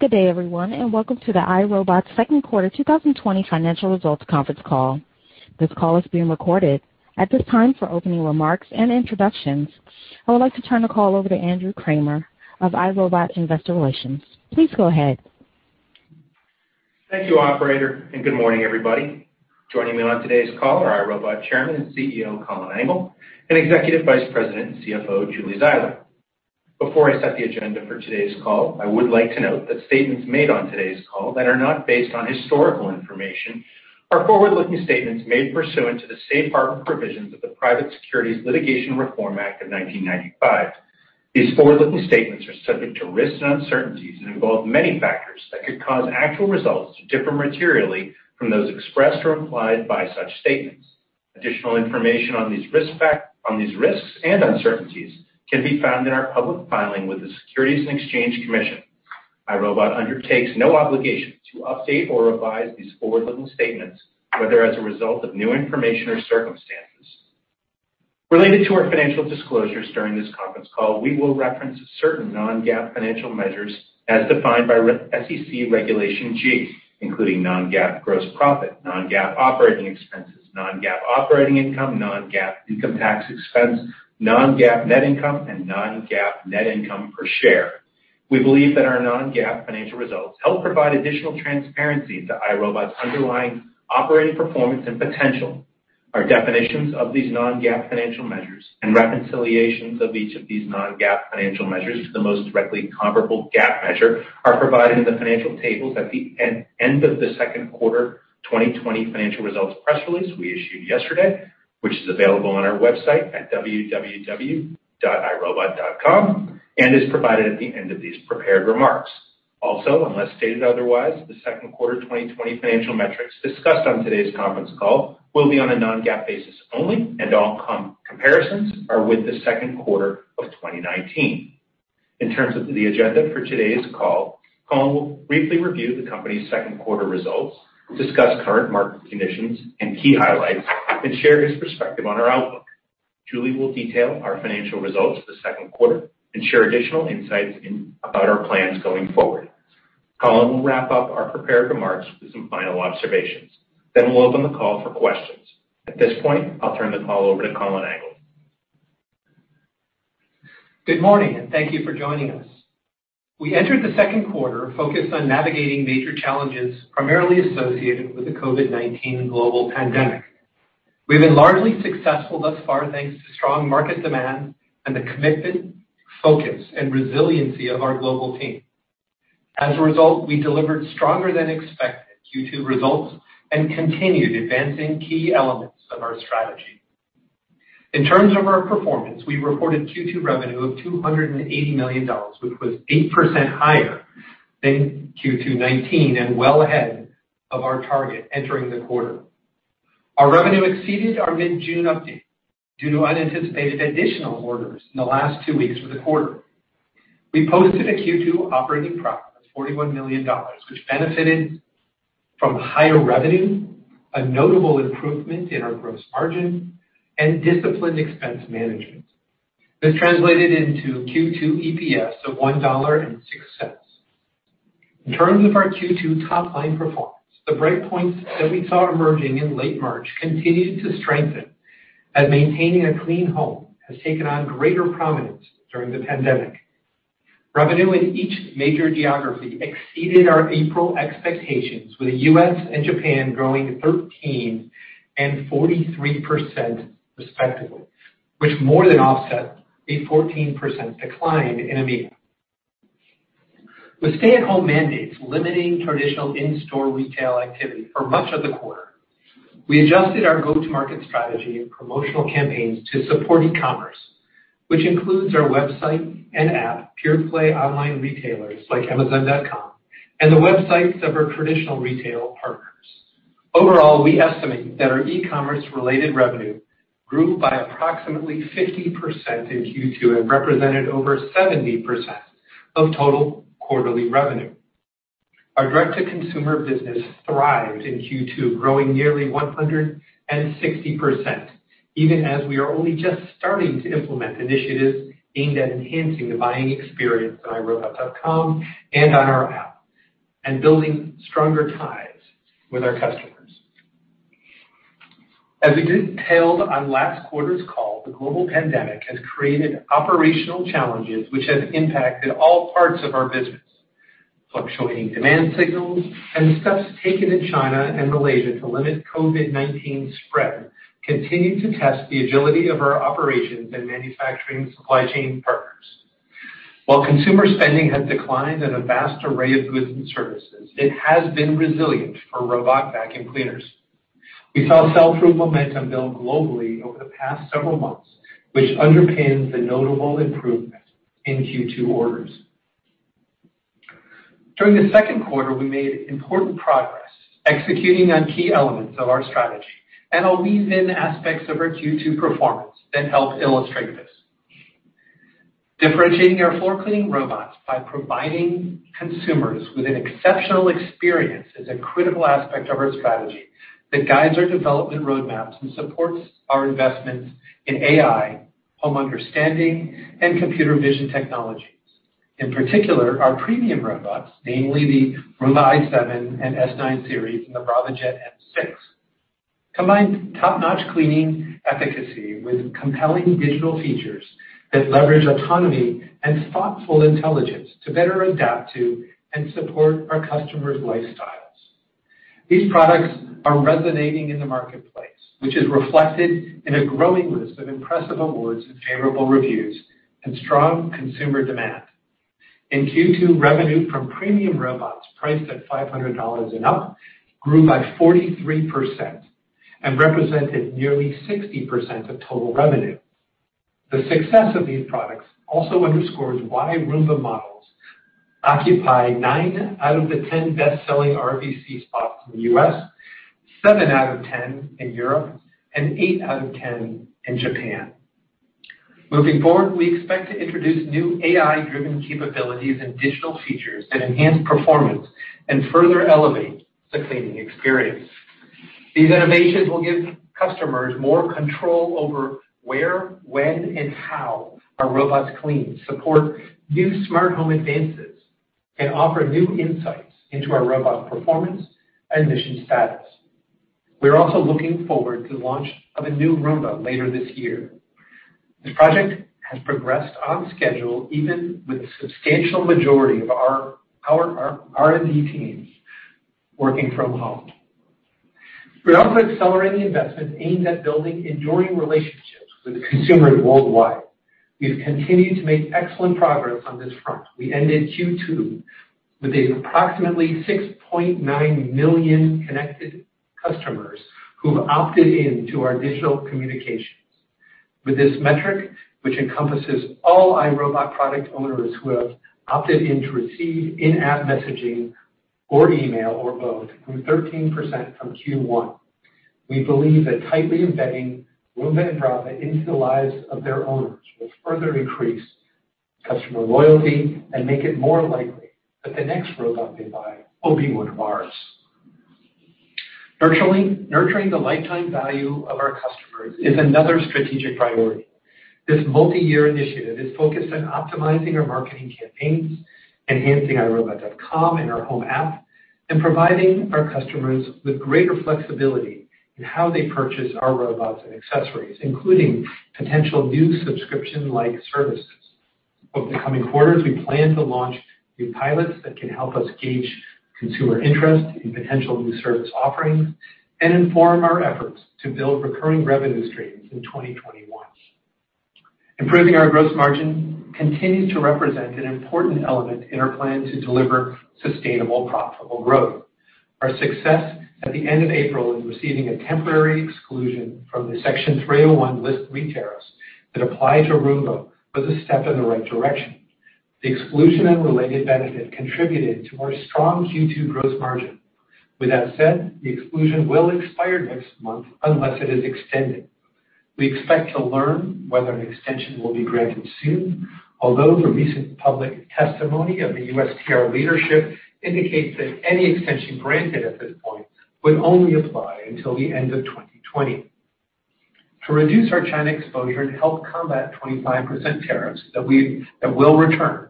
Good day, everyone, and welcome to the iRobot second quarter 2020 financial results conference call. This call is being recorded. At this time, for opening remarks and introductions, I would like to turn the call over to Andrew Kramer of iRobot Investor Relations. Please go ahead. Thank you, Operator, and good morning, everybody. Joining me on today's call are iRobot Chairman and CEO Colin Angle and Executive Vice President and CFO Julie Zeiler. Before I set the agenda for today's call, I would like to note that statements made on today's call that are not based on historical information are forward-looking statements made pursuant to the safe harbor provisions of the Private Securities Litigation Reform Act of 1995. These forward-looking statements are subject to risks and uncertainties and involve many factors that could cause actual results to differ materially from those expressed or implied by such statements. Additional information on these risks and uncertainties can be found in our public filing with the Securities and Exchange Commission. iRobot undertakes no obligation to update or revise these forward-looking statements, whether as a result of new information or circumstances. Related to our financial disclosures during this conference call, we will reference certain non-GAAP financial measures as defined by SEC Regulation G, including non-GAAP gross profit, non-GAAP operating expenses, non-GAAP operating income, non-GAAP income tax expense, non-GAAP net income, and non-GAAP net income per share. We believe that our non-GAAP financial results help provide additional transparency into iRobot's underlying operating performance and potential. Our definitions of these non-GAAP financial measures and reconciliations of each of these non-GAAP financial measures to the most directly comparable GAAP measure are provided in the financial tables at the end of the second quarter 2020 financial results press release we issued yesterday, which is available on our website at www.irobot.com and is provided at the end of these prepared remarks. Also, unless stated otherwise, the second quarter 2020 financial metrics discussed on today's conference call will be on a non-GAAP basis only, and all comparisons are with the second quarter of 2019. In terms of the agenda for today's call, Colin will briefly review the company's second quarter results, discuss current market conditions and key highlights, and share his perspective on our outlook. Julie will detail our financial results for the second quarter and share additional insights about our plans going forward. Colin will wrap up our prepared remarks with some final observations. Then we'll open the call for questions. At this point, I'll turn the call over to Colin Angle. Good morning, and thank you for joining us. We entered the second quarter focused on navigating major challenges primarily associated with the COVID-19 global pandemic. We've been largely successful thus far thanks to strong market demand and the commitment, focus, and resiliency of our global team. As a result, we delivered stronger than expected Q2 results and continued advancing key elements of our strategy. In terms of our performance, we reported Q2 revenue of $280 million, which was 8% higher than Q2 2019 and well ahead of our target entering the quarter. Our revenue exceeded our mid-June update due to unanticipated additional orders in the last two weeks of the quarter. We posted a Q2 operating profit of $41 million, which benefited from higher revenue, a notable improvement in our gross margin, and disciplined expense management. This translated into Q2 EPS of $1.06. In terms of our Q2 top-line performance, the breakpoints that we saw emerging in late March continued to strengthen as maintaining a clean home has taken on greater prominence during the pandemic. Revenue in each major geography exceeded our April expectations, with the U.S. and Japan growing 13% and 43% respectively, which more than offset a 14% decline in EMEA. With stay-at-home mandates limiting traditional in-store retail activity for much of the quarter, we adjusted our go-to-market strategy and promotional campaigns to support e-commerce, which includes our website and app, pure-play online retailers like Amazon.com, and the websites of our traditional retail partners. Overall, we estimate that our e-commerce-related revenue grew by approximately 50% in Q2 and represented over 70% of total quarterly revenue. Our direct-to-consumer business thrived in Q2, growing nearly 160%, even as we are only just starting to implement initiatives aimed at enhancing the buying experience on iRobot.com and on our app, and building stronger ties with our customers. As we detailed on last quarter's call, the global pandemic has created operational challenges which have impacted all parts of our business. Fluctuating demand signals and the steps taken in China and Malaysia to limit COVID-19 spread continue to test the agility of our operations and manufacturing supply chain partners. While consumer spending has declined in a vast array of goods and services, it has been resilient for robot vacuum cleaners. We saw sell-through momentum build globally over the past several months, which underpins the notable improvement in Q2 orders. During the second quarter, we made important progress executing on key elements of our strategy, and I'll weave in aspects of our Q2 performance that help illustrate this. Differentiating our floor cleaning robots by providing consumers with an exceptional experience is a critical aspect of our strategy that guides our development roadmaps and supports our investments in AI, home understanding, and computer vision technologies. In particular, our premium robots, namely the Roomba i7 and s9 series and the Braava jet m6, combine top-notch cleaning efficacy with compelling digital features that leverage autonomy and thoughtful intelligence to better adapt to and support our customers' lifestyles. These products are resonating in the marketplace, which is reflected in a growing list of impressive awards and favorable reviews and strong consumer demand. In Q2, revenue from premium robots priced at $500 and up grew by 43% and represented nearly 60% of total revenue. The success of these products also underscores why Roomba models occupy nine out of the 10 best-selling RVC spots in the U.S., seven out of 10 in Europe, and eight out of 10 in Japan. Moving forward, we expect to introduce new AI-driven capabilities and digital features that enhance performance and further elevate the cleaning experience. These innovations will give customers more control over where, when, and how our robots clean, support new smart home advances, and offer new insights into our robot performance and mission status. We're also looking forward to the launch of a new Roomba later this year. This project has progressed on schedule, even with a substantial majority of our R&D teams working from home. We're also accelerating investments aimed at building enduring relationships with consumers worldwide. We've continued to make excellent progress on this front. We ended Q2 with approximately 6.9 million connected customers who've opted in to our digital communications. With this metric, which encompasses all iRobot product owners who have opted in to receive in-app messaging or email or both, we're 13% from Q1. We believe that tightly embedding Roomba and Braava into the lives of their owners will further increase customer loyalty and make it more likely that the next robot they buy will be one of ours. Nurturing the lifetime value of our customers is another strategic priority. This multi-year initiative is focused on optimizing our marketing campaigns, enhancing iRobot.com and our Home App, and providing our customers with greater flexibility in how they purchase our robots and accessories, including potential new subscription-like services. Over the coming quarters, we plan to launch new pilots that can help us gauge consumer interest in potential new service offerings and inform our efforts to build recurring revenue streams in 2021. Improving our gross margin continues to represent an important element in our plan to deliver sustainable, profitable growth. Our success at the end of April in receiving a temporary exclusion from the Section 301 List 3 tariffs that applied to Roomba was a step in the right direction. The exclusion and related benefit contributed to our strong Q2 gross margin. With that said, the exclusion will expire next month unless it is extended. We expect to learn whether an extension will be granted soon, although the recent public testimony of the USTR leadership indicates that any extension granted at this point would only apply until the end of 2020. To reduce our China exposure and help combat 25% tariffs that will return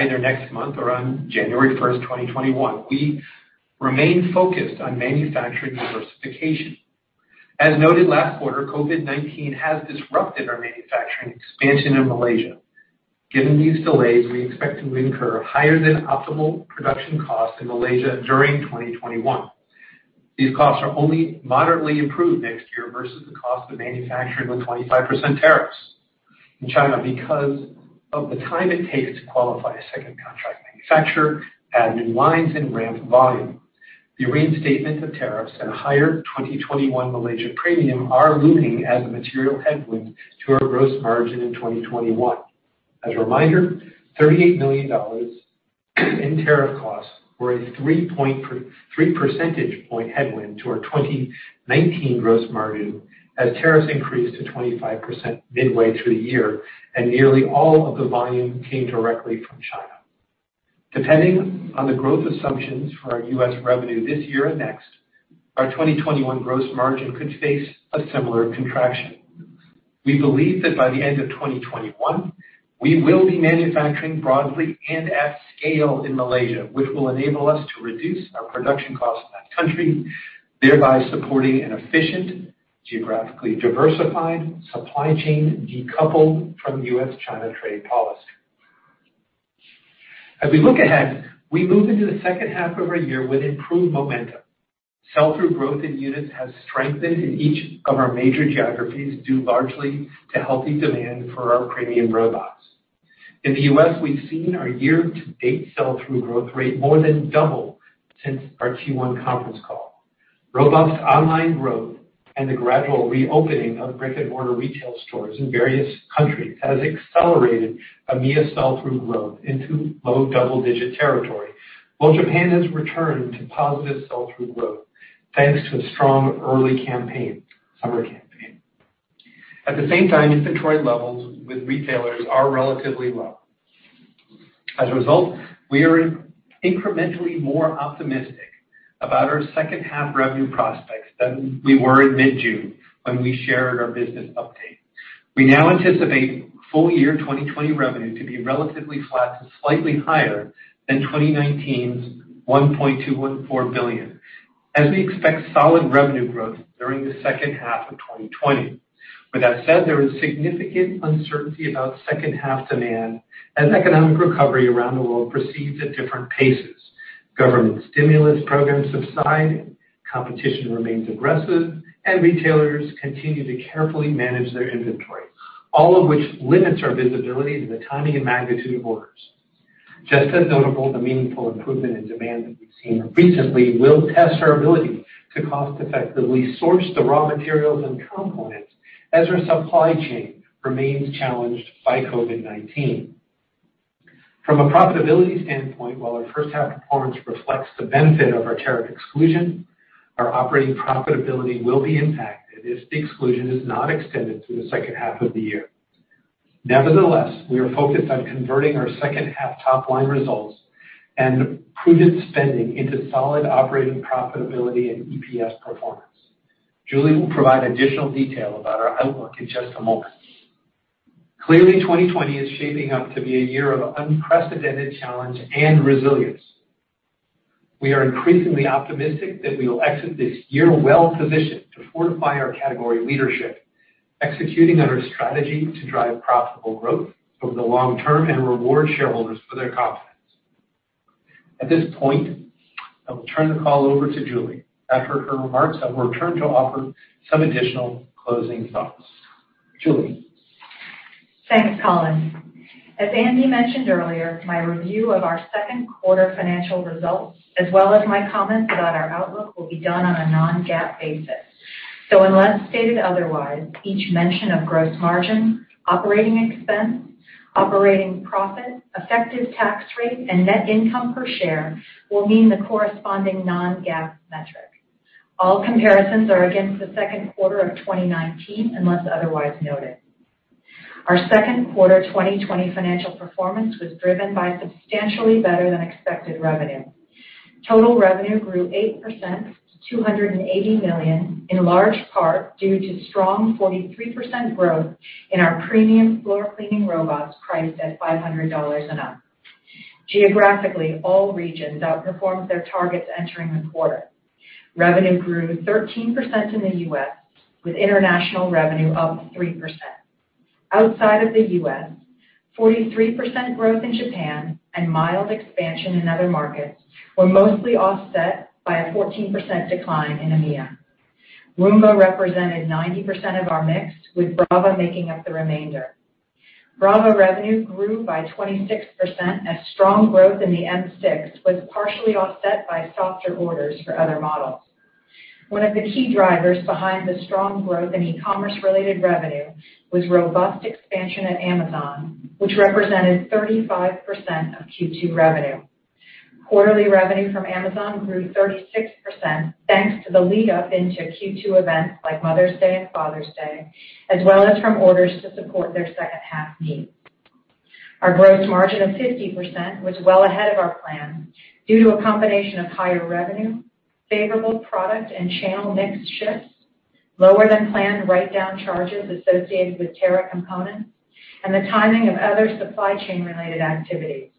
either next month or on January 1, 2021, we remain focused on manufacturing diversification. As noted last quarter, COVID-19 has disrupted our manufacturing expansion in Malaysia. Given these delays, we expect to incur higher than optimal production costs in Malaysia during 2021. These costs are only moderately improved next year versus the cost of manufacturing with 25% tariffs in China because of the time it takes to qualify a second contract manufacturer, add new lines, and ramp volume. The reinstatement of tariffs and a higher 2021 Malaysia premium are looming as a material headwind to our gross margin in 2021. As a reminder, $38 million in tariff costs were a three percentage point headwind to our 2019 gross margin as tariffs increased to 25% midway through the year, and nearly all of the volume came directly from China. Depending on the growth assumptions for our U.S. revenue this year and next, our 2021 gross margin could face a similar contraction. We believe that by the end of 2021, we will be manufacturing broadly and at scale in Malaysia, which will enable us to reduce our production costs in that country, thereby supporting an efficient, geographically diversified supply chain decoupled from U.S.-China trade policy. As we look ahead, we move into the second half of our year with improved momentum. Sell-through growth in units has strengthened in each of our major geographies due largely to healthy demand for our premium robots. In the U.S., we've seen our year-to-date sell-through growth rate more than double since our Q1 conference call. Robust online growth and the gradual reopening of brick-and-mortar retail stores in various countries has accelerated EMEA sell-through growth into low double-digit territory, while Japan has returned to positive sell-through growth thanks to a strong early summer campaign. At the same time, inventory levels with retailers are relatively low. As a result, we are incrementally more optimistic about our second half revenue prospects than we were in mid-June when we shared our business update. We now anticipate full year 2020 revenue to be relatively flat to slightly higher than 2019's $1.214 billion, as we expect solid revenue growth during the second half of 2020. With that said, there is significant uncertainty about second half demand as economic recovery around the world proceeds at different paces. Government stimulus programs subside, competition remains aggressive, and retailers continue to carefully manage their inventory, all of which limits our visibility to the timing and magnitude of orders. Just as notable, the meaningful improvement in demand that we've seen recently will test our ability to cost-effectively source the raw materials and components as our supply chain remains challenged by COVID-19. From a profitability standpoint, while our first half performance reflects the benefit of our tariff exclusion, our operating profitability will be impacted if the exclusion is not extended through the second half of the year. Nevertheless, we are focused on converting our second half top-line results and prudent spending into solid operating profitability and EPS performance. Julie will provide additional detail about our outlook in just a moment. Clearly, 2020 is shaping up to be a year of unprecedented challenge and resilience. We are increasingly optimistic that we will exit this year well-positioned to fortify our category leadership, executing on our strategy to drive profitable growth over the long term and reward shareholders for their confidence. At this point, I will turn the call over to Julie. After her remarks, I will return to offer some additional closing thoughts. Julie. Thanks, Colin. As Andy mentioned earlier, my review of our second quarter financial results, as well as my comments about our outlook, will be done on a non-GAAP basis. So unless stated otherwise, each mention of gross margin, operating expense, operating profit, effective tax rate, and net income per share will mean the corresponding non-GAAP metric. All comparisons are against the second quarter of 2019 unless otherwise noted. Our second quarter 2020 financial performance was driven by substantially better than expected revenue. Total revenue grew 8% to $280 million, in large part due to strong 43% growth in our premium floor cleaning robots priced at $500 and up. Geographically, all regions outperformed their targets entering the quarter. Revenue grew 13% in the U.S., with international revenue up 3%. Outside of the U.S., 43% growth in Japan and mild expansion in other markets were mostly offset by a 14% decline in EMEA. Roomba represented 90% of our mix, with Braava making up the remainder. Braava revenue grew by 26% as strong growth in the m6 was partially offset by softer orders for other models. One of the key drivers behind the strong growth in e-commerce-related revenue was robust expansion at Amazon, which represented 35% of Q2 revenue. Quarterly revenue from Amazon grew 36% thanks to the lead-up into Q2 events like Mother's Day and Father's Day, as well as from orders to support their second half needs. Our gross margin of 50% was well ahead of our plan due to a combination of higher revenue, favorable product and channel mix shifts, lower than planned write-down charges associated with tariff components, and the timing of other supply chain-related activities.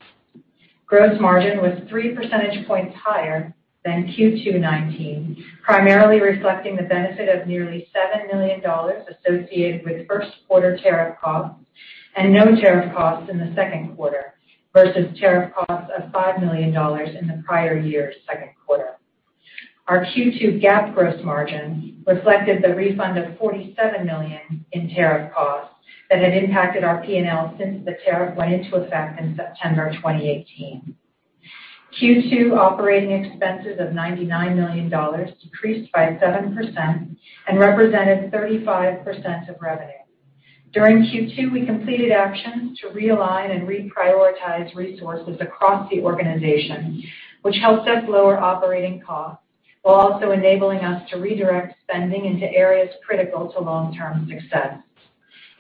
Gross margin was three percentage points higher than Q2 2019, primarily reflecting the benefit of nearly $7 million associated with first quarter tariff costs and no tariff costs in the second quarter versus tariff costs of $5 million in the prior year's second quarter. Our Q2 GAAP gross margin reflected the refund of $47 million in tariff costs that had impacted our P&L since the tariff went into effect in September 2018. Q2 operating expenses of $99 million decreased by 7% and represented 35% of revenue. During Q2, we completed actions to realign and reprioritize resources across the organization, which helped us lower operating costs while also enabling us to redirect spending into areas critical to long-term success.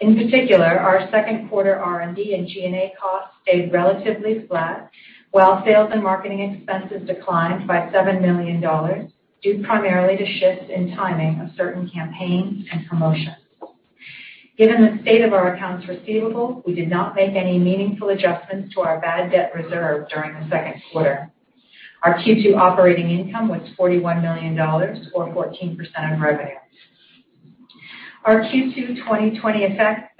In particular, our second quarter R&D and G&A costs stayed relatively flat, while sales and marketing expenses declined by $7 million due primarily to shifts in timing of certain campaigns and promotions. Given the state of our accounts receivable, we did not make any meaningful adjustments to our bad debt reserve during the second quarter. Our Q2 operating income was $41 million, or 14% of revenue. Our Q2 2020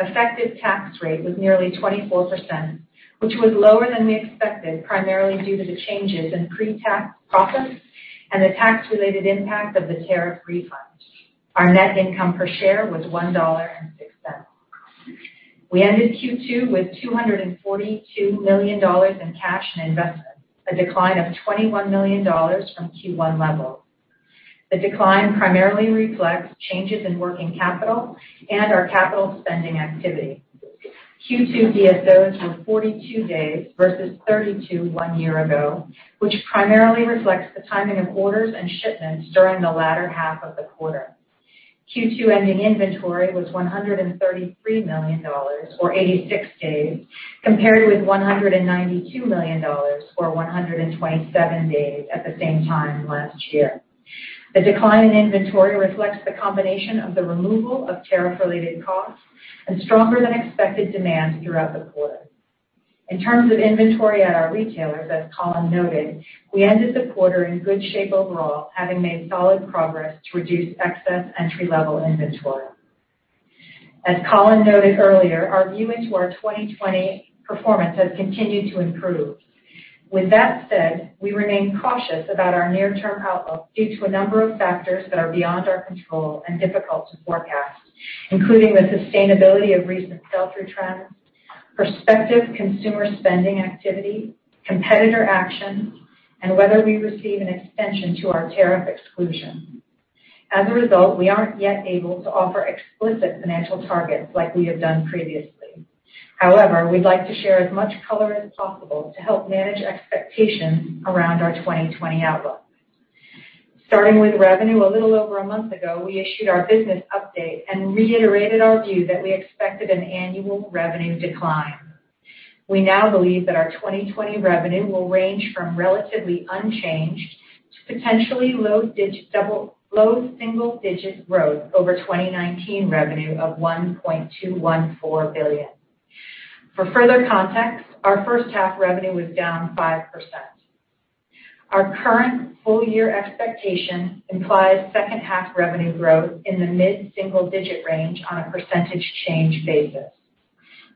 effective tax rate was nearly 24%, which was lower than we expected primarily due to the changes in pre-tax profits and the tax-related impact of the tariff refund. Our net income per share was $1.06. We ended Q2 with $242 million in cash and investments, a decline of $21 million from Q1 levels. The decline primarily reflects changes in working capital and our capital spending activity. Q2 DSOs were 42 days versus 32 one year ago, which primarily reflects the timing of orders and shipments during the latter half of the quarter. Q2 ending inventory was $133 million, or 86 days, compared with $192 million, or 127 days, at the same time last year. The decline in inventory reflects the combination of the removal of tariff-related costs and stronger-than-expected demand throughout the quarter. In terms of inventory at our retailers, as Colin noted, we ended the quarter in good shape overall, having made solid progress to reduce excess entry-level inventory. As Colin noted earlier, our view into our 2020 performance has continued to improve. With that said, we remain cautious about our near-term outlook due to a number of factors that are beyond our control and difficult to forecast, including the sustainability of recent sell-through trends, prospective consumer spending activity, competitor actions, and whether we receive an extension to our tariff exclusion. As a result, we aren't yet able to offer explicit financial targets like we have done previously. However, we'd like to share as much color as possible to help manage expectations around our 2020 outlook. Starting with revenue, a little over a month ago, we issued our business update and reiterated our view that we expected an annual revenue decline. We now believe that our 2020 revenue will range from relatively unchanged to potentially low single-digit growth over 2019 revenue of $1.214 billion. For further context, our first half revenue was down 5%. Our current full year expectation implies second half revenue growth in the mid-single-digit range on a percentage change basis.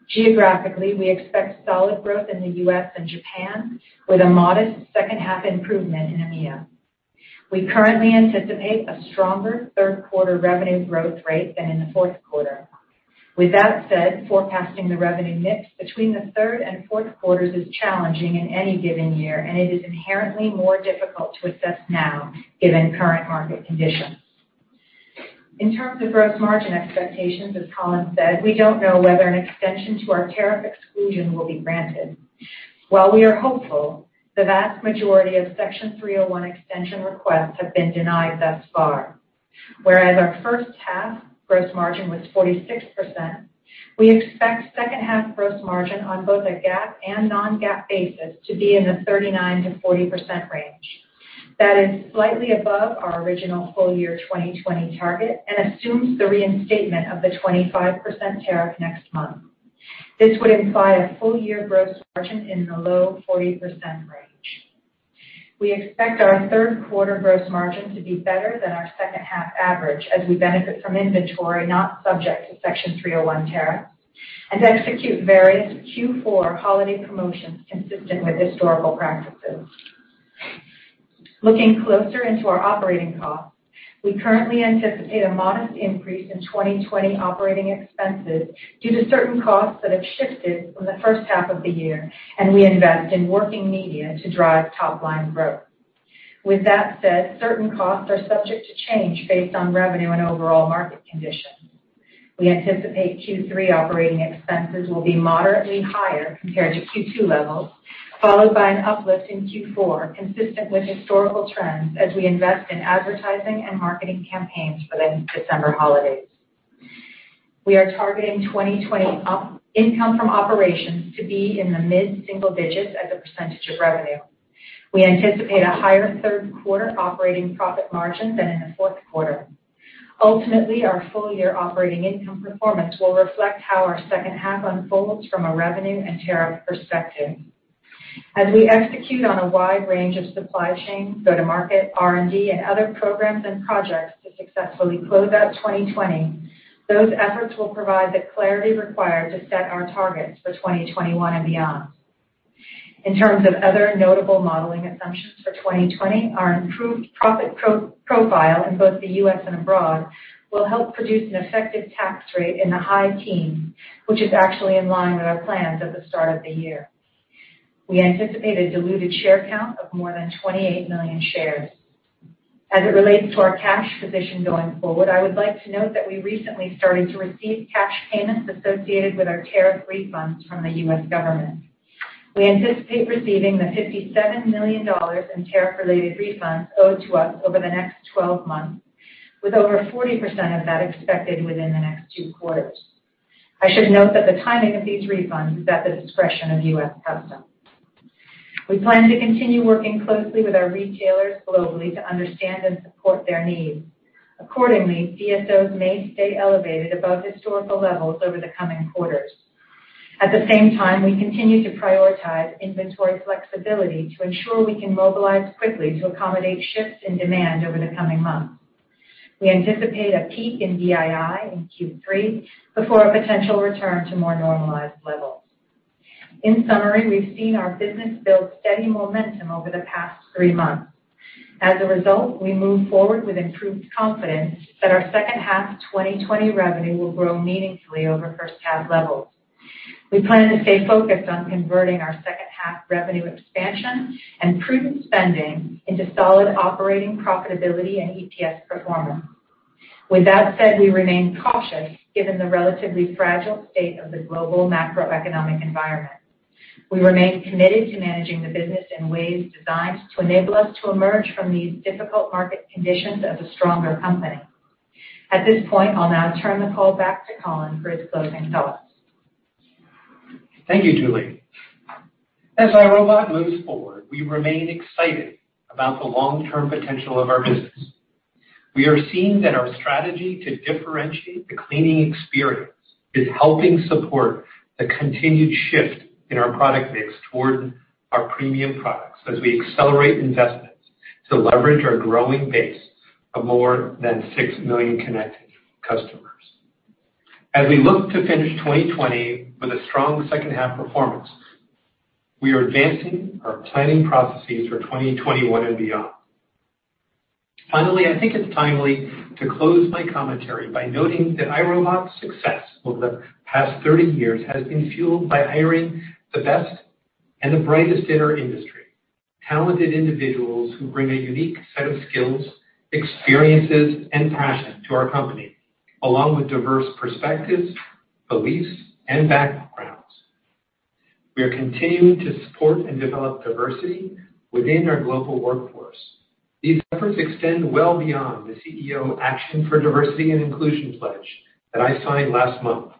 Geographically, we expect solid growth in the U.S. and Japan, with a modest second half improvement in EMEA. We currently anticipate a stronger third quarter revenue growth rate than in the fourth quarter. With that said, forecasting the revenue mix between the third and fourth quarters is challenging in any given year, and it is inherently more difficult to assess now given current market conditions. In terms of gross margin expectations, as Colin said, we don't know whether an extension to our tariff exclusion will be granted. While we are hopeful, the vast majority of Section 301 extension requests have been denied thus far. Whereas our first half gross margin was 46%, we expect second half gross margin on both a GAAP and non-GAAP basis to be in the 39%-40% range. That is slightly above our original full year 2020 target and assumes the reinstatement of the 25% tariff next month. This would imply a full year gross margin in the low 40% range. We expect our third quarter gross margin to be better than our second half average as we benefit from inventory not subject to Section 301 tariffs and execute various Q4 holiday promotions consistent with historical practices. Looking closer into our operating costs, we currently anticipate a modest increase in 2020 operating expenses due to certain costs that have shifted from the first half of the year, and we invest in working media to drive top-line growth. With that said, certain costs are subject to change based on revenue and overall market conditions. We anticipate Q3 operating expenses will be moderately higher compared to Q2 levels, followed by an uplift in Q4 consistent with historical trends as we invest in advertising and marketing campaigns for the December holidays. We are targeting 2020 income from operations to be in the mid-single digits as a percentage of revenue. We anticipate a higher third quarter operating profit margin than in the fourth quarter. Ultimately, our full year operating income performance will reflect how our second half unfolds from a revenue and tariff perspective. As we execute on a wide range of supply chain, go-to-market, R&D, and other programs and projects to successfully close out 2020, those efforts will provide the clarity required to set our targets for 2021 and beyond. In terms of other notable modeling assumptions for 2020, our improved profit profile in both the U.S. and abroad will help produce an effective tax rate in the high teens, which is actually in line with our plans at the start of the year. We anticipate a diluted share count of more than 28 million shares. As it relates to our cash position going forward, I would like to note that we recently started to receive cash payments associated with our tariff refunds from the U.S. government. We anticipate receiving the $57 million in tariff-related refunds owed to us over the next 12 months, with over 40% of that expected within the next two quarters. I should note that the timing of these refunds is at the discretion of U.S. Customs. We plan to continue working closely with our retailers globally to understand and support their needs. Accordingly, DSOs may stay elevated above historical levels over the coming quarters. At the same time, we continue to prioritize inventory flexibility to ensure we can mobilize quickly to accommodate shifts in demand over the coming months. We anticipate a peak in DII in Q3 before a potential return to more normalized levels. In summary, we've seen our business build steady momentum over the past three months. As a result, we move forward with improved confidence that our second half 2020 revenue will grow meaningfully over first half levels. We plan to stay focused on converting our second half revenue expansion and prudent spending into solid operating profitability and EPS performance. With that said, we remain cautious given the relatively fragile state of the global macroeconomic environment. We remain committed to managing the business in ways designed to enable us to emerge from these difficult market conditions as a stronger company. At this point, I'll now turn the call back to Colin for his closing thoughts. Thank you, Julie. As our robot moves forward, we remain excited about the long-term potential of our business. We are seeing that our strategy to differentiate the cleaning experience is helping support the continued shift in our product mix toward our premium products as we accelerate investments to leverage our growing base of more than six million connected customers. As we look to finish 2020 with a strong second half performance, we are advancing our planning processes for 2021 and beyond. Finally, I think it's timely to close my commentary by noting that iRobot's success over the past 30 years has been fueled by hiring the best and the brightest in our industry, talented individuals who bring a unique set of skills, experiences, and passion to our company, along with diverse perspectives, beliefs, and backgrounds. We are continuing to support and develop diversity within our global workforce. These efforts extend well beyond the CEO Action for Diversity and Inclusion pledge that I signed last month.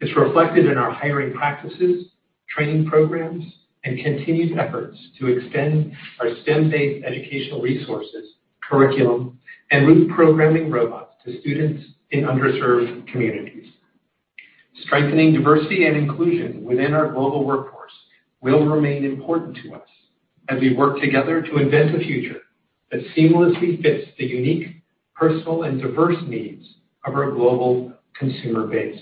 It's reflected in our hiring practices, training programs, and continued efforts to extend our STEM-based educational resources, curriculum, and Root programming robots to students in underserved communities. Strengthening diversity and inclusion within our global workforce will remain important to us as we work together to invent a future that seamlessly fits the unique, personal, and diverse needs of our global consumer base.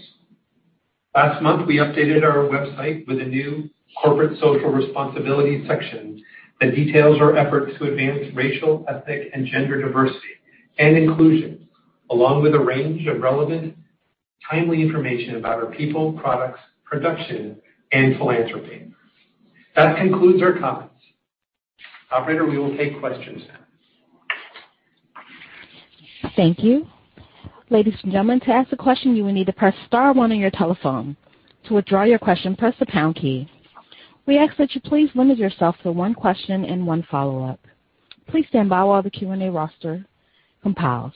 Last month, we updated our website with a new corporate social responsibility section that details our efforts to advance racial, ethnic, and gender diversity and inclusion, along with a range of relevant, timely information about our people, products, production, and philanthropy. That concludes our comments. Operator, we will take questions now. Thank you. Ladies and gentlemen, to ask a question, you will need to press star one on your telephone. To withdraw your question, press the pound key. We ask that you please limit yourself to one question and one follow-up. Please stand by while the Q&A roster compiles.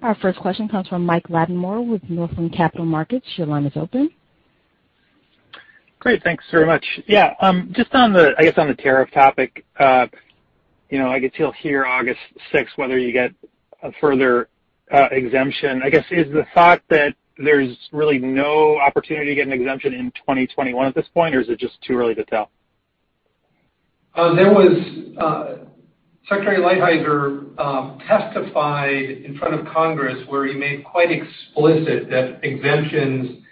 Our first question comes from Mike Latimore with Northland Capital Markets. Your line is open. Great. Thanks very much. Yeah. Just on the, I guess, on the tariff topic, I guess you'll hear August 6th whether you get a further exemption. I guess, is the thought that there's really no opportunity to get an exemption in 2021 at this point, or is it just too early to tell? Secretary Lighthizer testified in front of Congress where he made quite explicit that exemptions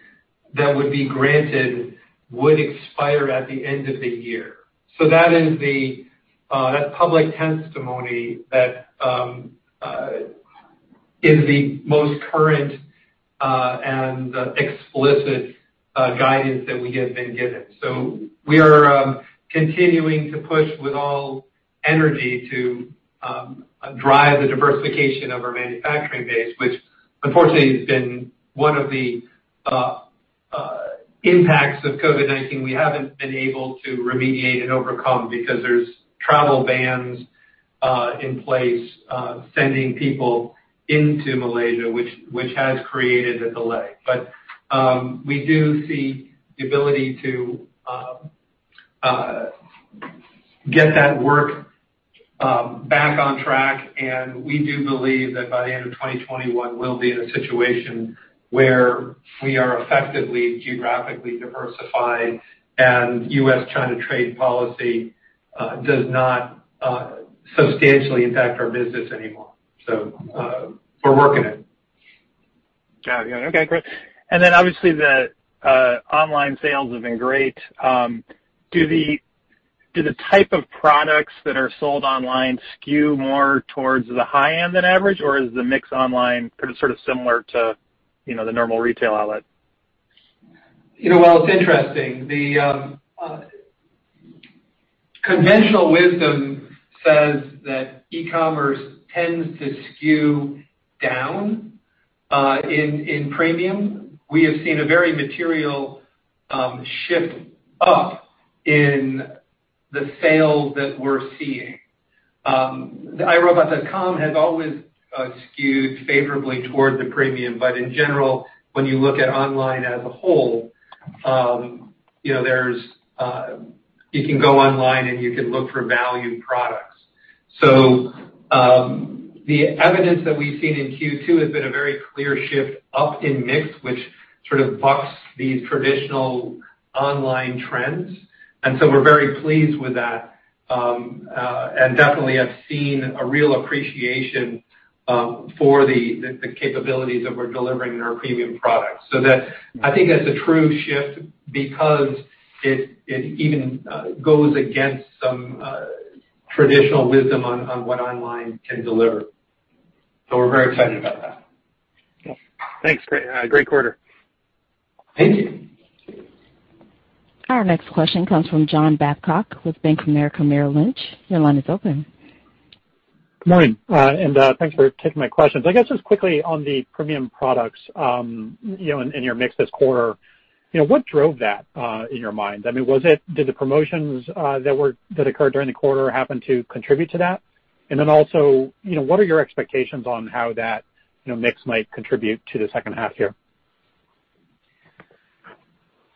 that would be granted would expire at the end of the year. So that is the public testimony that is the most current and explicit guidance that we have been given. So we are continuing to push with all energy to drive the diversification of our manufacturing base, which unfortunately has been one of the impacts of COVID-19 we haven't been able to remediate and overcome because there's travel bans in place sending people into Malaysia, which has created a delay. But we do see the ability to get that work back on track, and we do believe that by the end of 2021, we'll be in a situation where we are effectively geographically diversified and U.S.-China trade policy does not substantially impact our business anymore. So we're working it. Got it. Okay. Great. And then obviously, the online sales have been great. Do the type of products that are sold online skew more towards the high end than average, or is the mix online sort of similar to the normal retail outlet? Well, it's interesting. The conventional wisdom says that e-commerce tends to skew down in premium. We have seen a very material shift up in the sales that we're seeing. iRobot.com has always skewed favorably toward the premium, but in general, when you look at online as a whole, you can go online and you can look for value products, so the evidence that we've seen in Q2 has been a very clear shift up in mix, which sort of bucks these traditional online trends, and so we're very pleased with that, and definitely I've seen a real appreciation for the capabilities that we're delivering in our premium products, so I think that's a true shift because it even goes against some traditional wisdom on what online can deliver, so we're very excited about that. Thanks. Great quarter. Thank you. Our next question comes from John Babcock with Bank of America Merrill Lynch. Your line is open. Good morning, and thanks for taking my questions. I guess just quickly on the premium products in your mix this quarter, what drove that in your mind? I mean, did the promotions that occurred during the quarter happen to contribute to that? And then also, what are your expectations on how that mix might contribute to the second half here?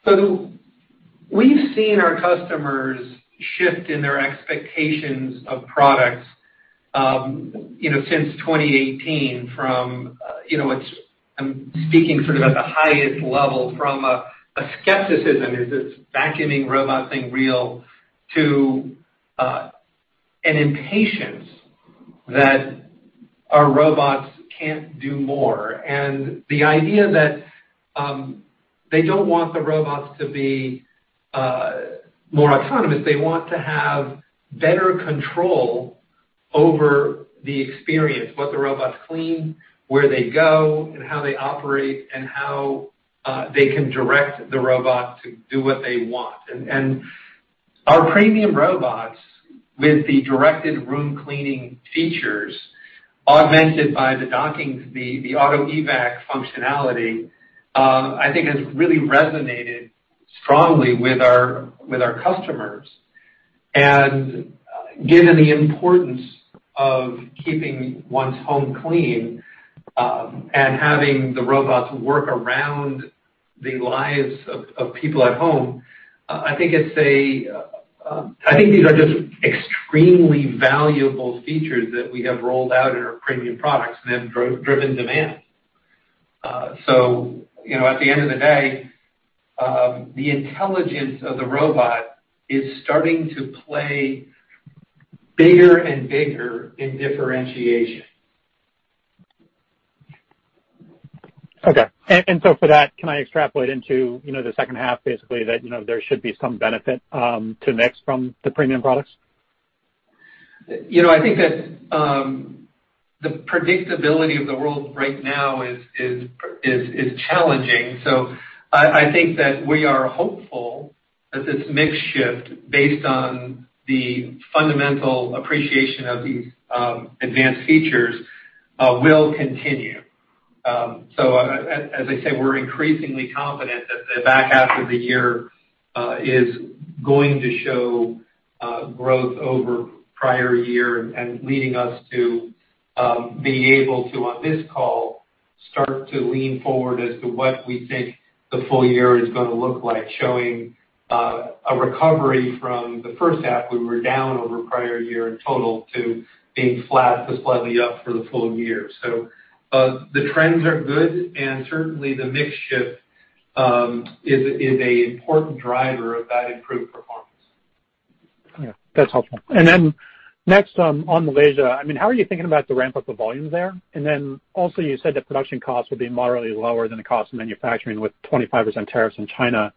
So we've seen our customers shift in their expectations of products since 2018 from, I'm speaking sort of at the highest level, from a skepticism—is this vacuuming robot thing real?—to an impatience that our robots can't do more. And the idea that they don't want the robots to be more autonomous. They want to have better control over the experience, what the robots clean, where they go, and how they operate, and how they can direct the robot to do what they want. And our premium robots with the directed room cleaning features augmented by the docking, the Auto-Evac functionality, I think has really resonated strongly with our customers. And given the importance of keeping one's home clean and having the robots work around the lives of people at home, I think it's. I think these are just extremely valuable features that we have rolled out in our premium products and have driven demand. So at the end of the day, the intelligence of the robot is starting to play bigger and bigger in differentiation. Okay. And so for that, can I extrapolate into the second half basically that there should be some benefit to mix from the premium products? I think that the predictability of the world right now is challenging. So I think that we are hopeful that this mix shift based on the fundamental appreciation of these advanced features will continue. So as I say, we're increasingly confident that the back half of the year is going to show growth over prior year and leading us to be able to, on this call, start to lean forward as to what we think the full year is going to look like, showing a recovery from the first half where we were down over prior year in total to being flat to slightly up for the full year. So the trends are good, and certainly the mix shift is an important driver of that improved performance. Yeah. That's helpful. And then next on Malaysia, I mean, how are you thinking about the ramp-up of volume there? And then also you said that production costs would be moderately lower than the cost of manufacturing with 25% tariffs in China.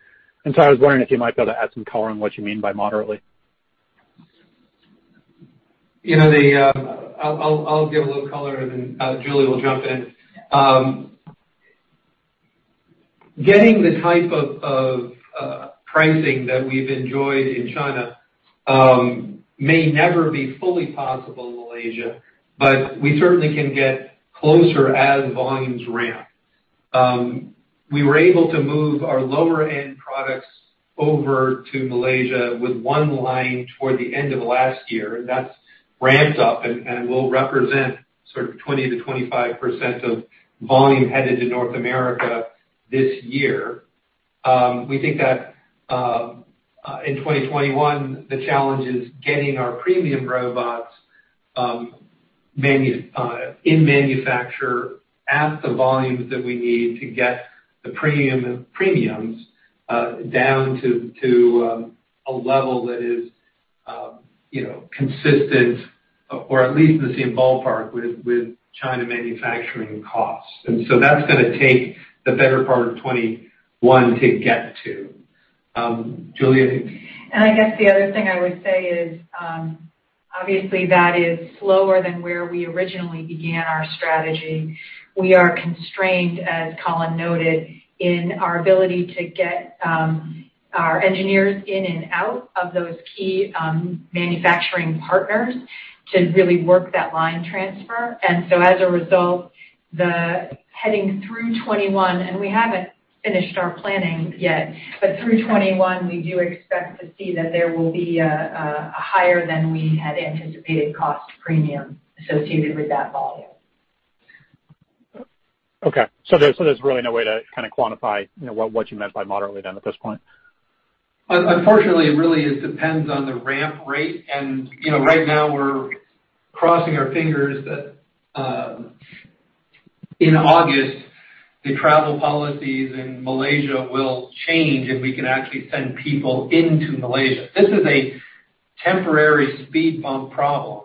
And so I was wondering if you might be able to add some color on what you mean by moderately. I'll give a little color and then Julie will jump in. Getting the type of pricing that we've enjoyed in China may never be fully possible in Malaysia, but we certainly can get closer as volumes ramp. We were able to move our lower-end products over to Malaysia with one line toward the end of last year, and that's ramped up and will represent sort of 20%-25% of volume headed to North America this year. We think that in 2021, the challenge is getting our premium robots in manufacture at the volumes that we need to get the premiums down to a level that is consistent or at least in the same ballpark with China manufacturing costs. And so that's going to take the better part of 2021 to get to. Julie. And I guess the other thing I would say is obviously that is slower than where we originally began our strategy. We are constrained, as Colin noted, in our ability to get our engineers in and out of those key manufacturing partners to really work that line transfer. And so as a result, the heading through 2021, and we haven't finished our planning yet, but through 2021, we do expect to see that there will be a higher than we had anticipated cost premium associated with that volume. Okay. So there's really no way to kind of quantify what you meant by moderately then at this point? Unfortunately, it really depends on the ramp rate. And right now, we're crossing our fingers that in August, the travel policies in Malaysia will change and we can actually send people into Malaysia. This is a temporary speed bump problem,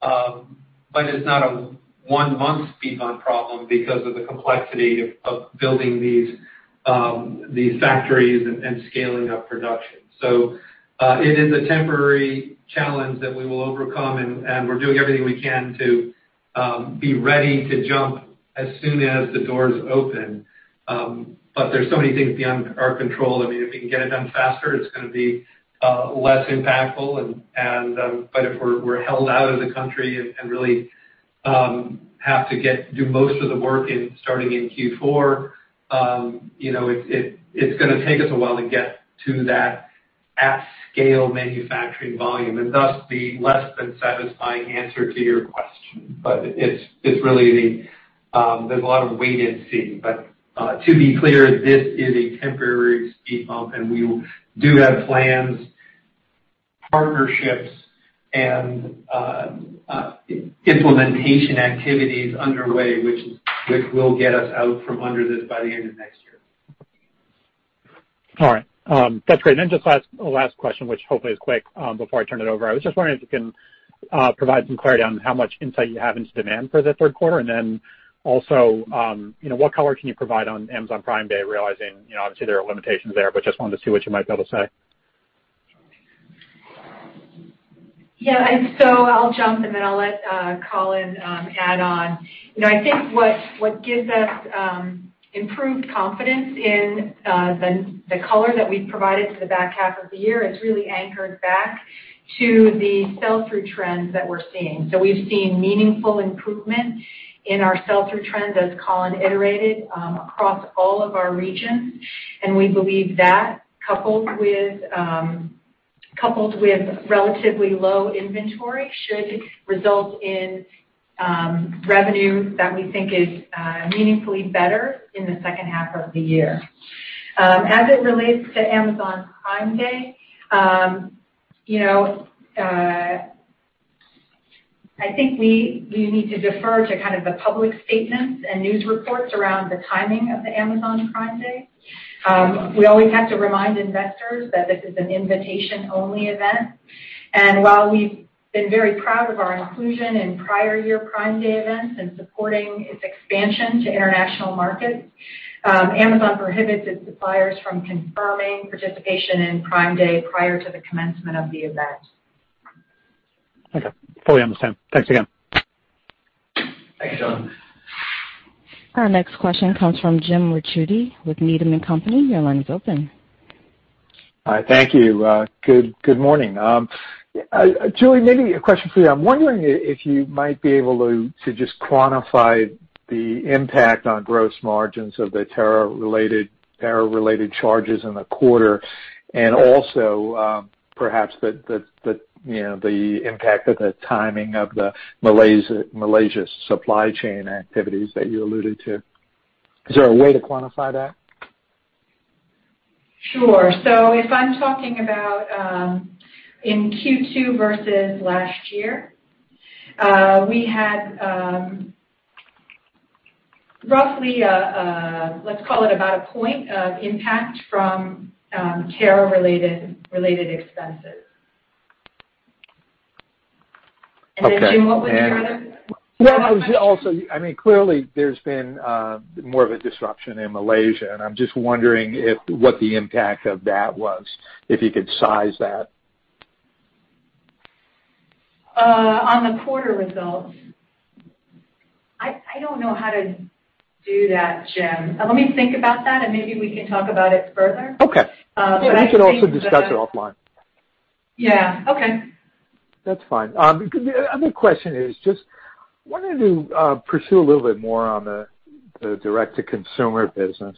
but it's not a one-month speed bump problem because of the complexity of building these factories and scaling up production. So it is a temporary challenge that we will overcome, and we're doing everything we can to be ready to jump as soon as the doors open. But there's so many things beyond our control. I mean, if we can get it done faster, it's going to be less impactful. But if we're held out as a country and really have to do most of the work starting in Q4, it's going to take us a while to get to that at-scale manufacturing volume and thus be less than satisfying answer to your question. But it's really, there's a lot of wait and see. But to be clear, this is a temporary speed bump, and we do have plans, partnerships, and implementation activities underway, which will get us out from under this by the end of next year. All right. That's great. And then just last question, which hopefully is quick before I turn it over. I was just wondering if you can provide some clarity on how much insight you have into demand for the third quarter. And then also, what color can you provide on Amazon Prime Day, realizing obviously there are limitations there, but just wanted to see what you might be able to say? Yeah. So I'll jump, and then I'll let Colin add on. I think what gives us improved confidence in the color that we've provided for the back half of the year is really anchored back to the sell-through trends that we're seeing. So we've seen meaningful improvement in our sell-through trends, as Colin iterated, across all of our regions. And we believe that coupled with relatively low inventory should result in revenue that we think is meaningfully better in the second half of the year. As it relates to Amazon Prime Day, I think we need to defer to kind of the public statements and news reports around the timing of the Amazon Prime Day. We always have to remind investors that this is an invitation-only event, and while we've been very proud of our inclusion in prior year Prime Day events and supporting its expansion to international markets, Amazon prohibits its suppliers from confirming participation in Prime Day prior to the commencement of the event. Okay. Fully understand. Thanks again. Thank you, John. Our next question comes from James Ricchiuti with Needham & Company. Your line is open. All right. Thank you. Good morning. Julie, maybe a question for you. I'm wondering if you might be able to just quantify the impact on gross margins of the tariff-related charges in the quarter and also perhaps the impact of the timing of the Malaysia supply chain activities that you alluded to. Is there a way to quantify that? Sure. So if I'm talking about in Q2 versus last year, we had roughly, let's call it about a point of impact from tariff-related expenses. And then, Jim, what was your other? Yeah. I mean, clearly, there's been more of a disruption in Malaysia, and I'm just wondering what the impact of that was, if you could size that. On the quarter results, I don't know how to do that, Jim. Let me think about that, and maybe we can talk about it further. Okay. But I think we can also discuss it offline. Yeah. Okay. That's fine. The other question is just wanted to pursue a little bit more on the direct-to-consumer business,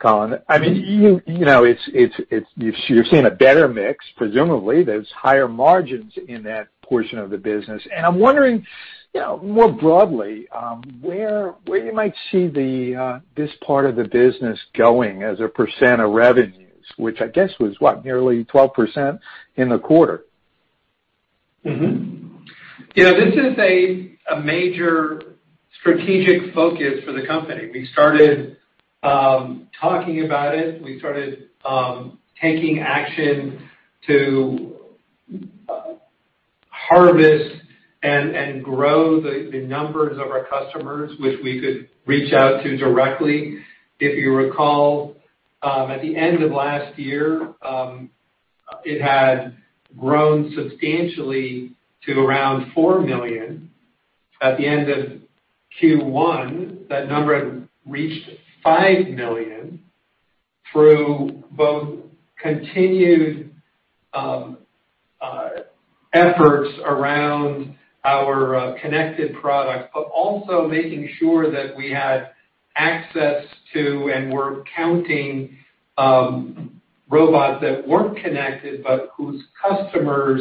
Colin. I mean, you're seeing a better mix, presumably. There's higher margins in that portion of the business. I'm wondering more broadly where you might see this part of the business going as a percent of revenues, which I guess was, what, nearly 12% in the quarter? Yeah. This is a major strategic focus for the company. We started talking about it. We started taking action to harvest and grow the numbers of our customers, which we could reach out to directly. If you recall, at the end of last year, it had grown substantially to around four million. At the end of Q1, that number had reached five million through both continued efforts around our connected products, but also making sure that we had access to and were counting robots that weren't connected but whose customers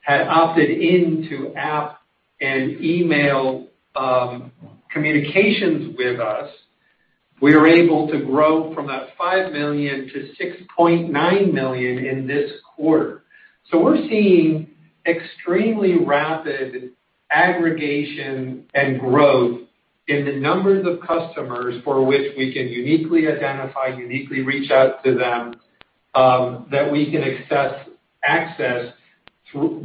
had opted into app and email communications with us. We were able to grow from that five million to 6.9 million in this quarter. So we're seeing extremely rapid aggregation and growth in the numbers of customers for which we can uniquely identify, uniquely reach out to them, that we can access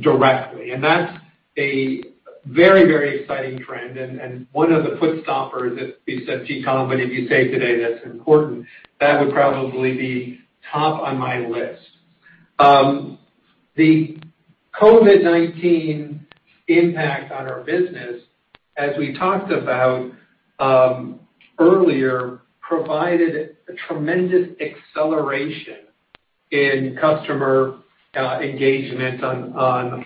directly. And that's a very, very exciting trend. And one of the showstoppers, if you said, "Gee, Colin, what did you say today that's important?" That would probably be top on my list. The COVID-19 impact on our business, as we talked about earlier, provided a tremendous acceleration in customer engagement on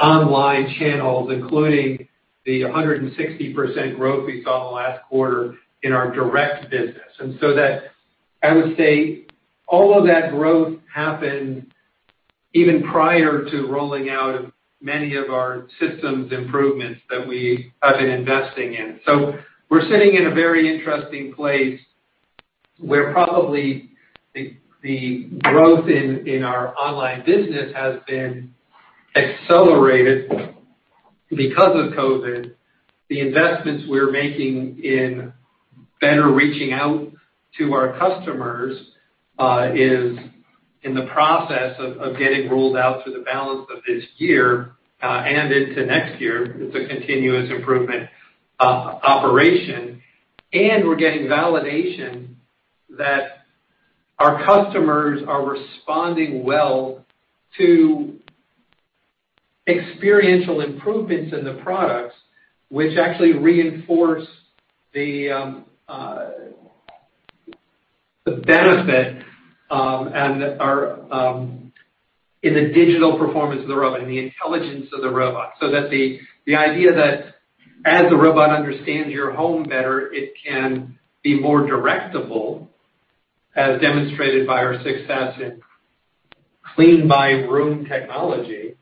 online channels, including the 160% growth we saw in the last quarter in our direct business. And so I would say all of that growth happened even prior to rolling out many of our systems improvements that we have been investing in. So we're sitting in a very interesting place where probably the growth in our online business has been accelerated because of COVID. The investments we're making in better reaching out to our customers is in the process of getting rolled out to the balance of this year and into next year. It's a continuous improvement operation. And we're getting validation that our customers are responding well to experiential improvements in the products, which actually reinforce the benefit in the digital performance of the robot and the intelligence of the robot. So that's the idea that as the robot understands your home better, it can be more directable, as demonstrated by our success in Clean by Room technology.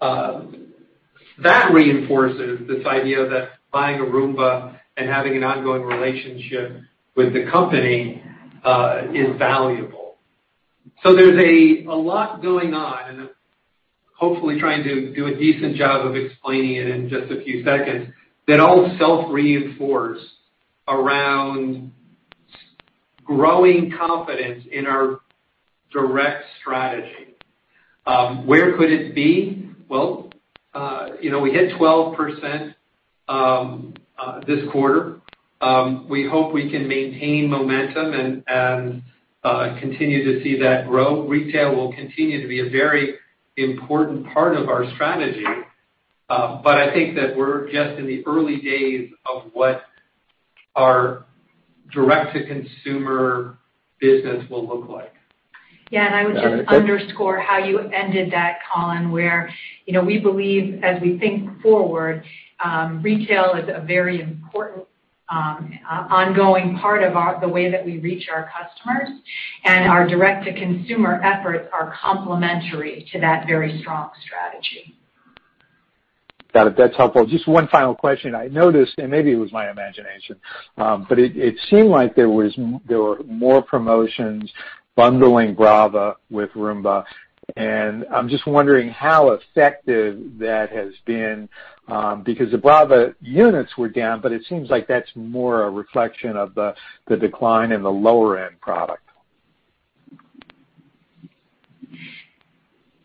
That reinforces this idea that buying a Roomba and having an ongoing relationship with the company is valuable. So there's a lot going on, and hopefully trying to do a decent job of explaining it in just a few seconds that all self-reinforce around growing confidence in our direct strategy. Where could it be? We hit 12% this quarter. We hope we can maintain momentum and continue to see that grow. Retail will continue to be a very important part of our strategy. But I think that we're just in the early days of what our direct-to-consumer business will look like. Yeah. And I would just underscore how you ended that, Colin, where we believe, as we think forward, retail is a very important ongoing part of the way that we reach our customers. And our direct-to-consumer efforts are complementary to that very strong strategy. Got it. That's helpful. Just one final question. I noticed, and maybe it was my imagination, but it seemed like there were more promotions bundling Braava with Roomba. And I'm just wondering how effective that has been because the Braava units were down, but it seems like that's more a reflection of the decline in the lower-end product.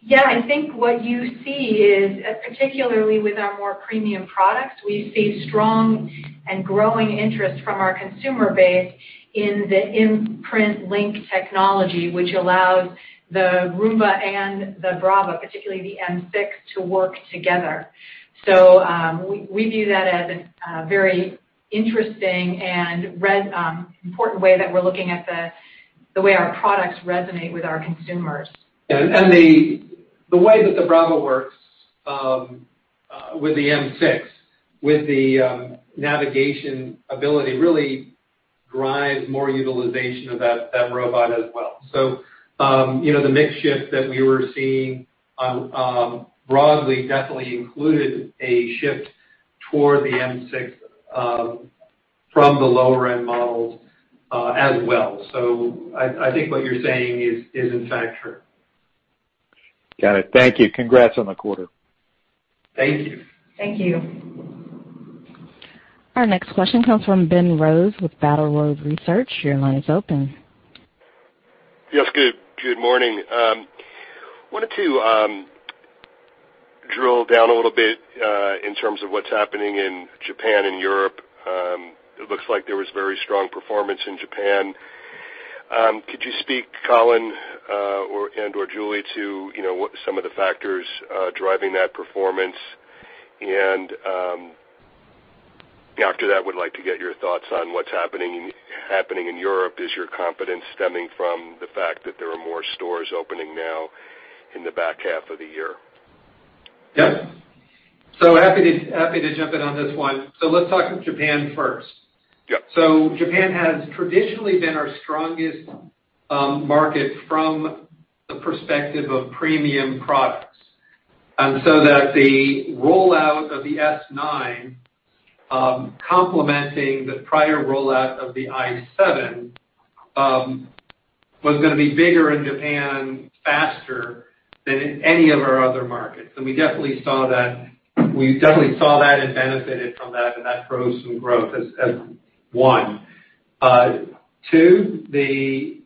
Yeah. I think what you see is, particularly with our more premium products, we see strong and growing interest from our consumer base in the Imprint Link Technology, which allows the Roomba and the Braava, particularly the m6, to work together. So we view that as a very interesting and important way that we're looking at the way our products resonate with our consumers. And the way that the Braava works with the m6, with the navigation ability, really drives more utilization of that robot as well. So the mix shift that we were seeing broadly definitely included a shift toward the m6 from the lower-end models as well. So I think what you're saying is, in fact, true. Got it. Thank you. Congrats on the quarter. Thank you. Thank you. Our next question comes from Ben Rose with Battle Road Research. Your line is open. Yes. Good morning. I wanted to drill down a little bit in terms of what's happening in Japan and Europe. It looks like there was very strong performance in Japan. Could you speak, Colin, and/or Julie, to some of the factors driving that performance, and after that, we'd like to get your thoughts on what's happening in Europe. Is your confidence stemming from the fact that there are more stores opening now in the back half of the year? Yep. So happy to jump in on this one. Let's talk about Japan first. Japan has traditionally been our strongest market from the perspective of premium products, and so the rollout of the s9, complementing the prior rollout of the i7, was going to be bigger in Japan, faster than in any of our other markets, and we definitely saw that. We definitely saw that and benefited from that, and that drove some growth as one. Two, the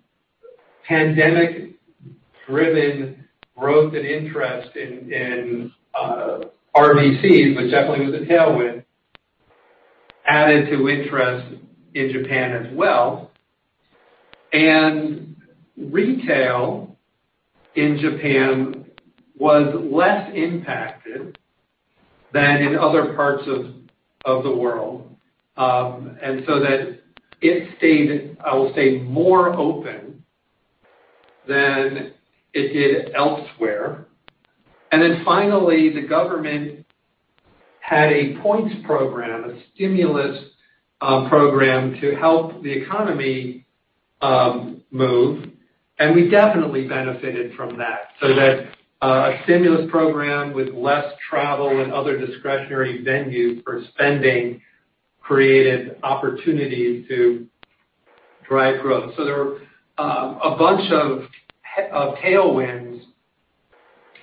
pandemic-driven growth and interest in RVC, which definitely was a tailwind, added to interest in Japan as well. And retail in Japan was less impacted than in other parts of the world. And so it stayed, I will say, more open than it did elsewhere. And then finally, the government had a points program, a stimulus program to help the economy move. And we definitely benefited from that. So that stimulus program with less travel and other discretionary venues for spending created opportunities to drive growth. So there were a bunch of tailwinds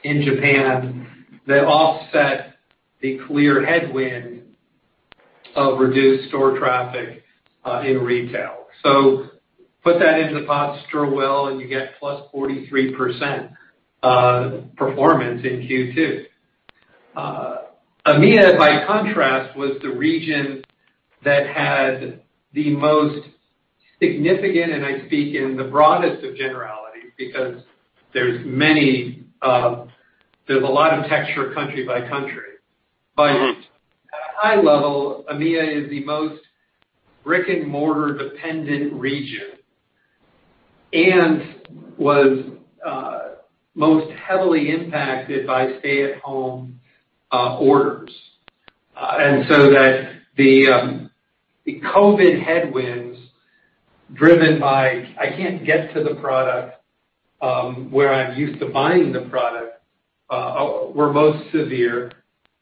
in Japan that offset the clear headwind of reduced store traffic in retail. So put that into the pot, stir well, and you get plus 43% performance in Q2. EMEA, by contrast, was the region that had the most significant, and I speak in the broadest of generalities because there's a lot of texture country by country. But at a high level, EMEA is the most brick-and-mortar dependent region and was most heavily impacted by stay-at-home orders. And so the COVID headwinds driven by, "I can't get to the product where I'm used to buying the product," were most severe.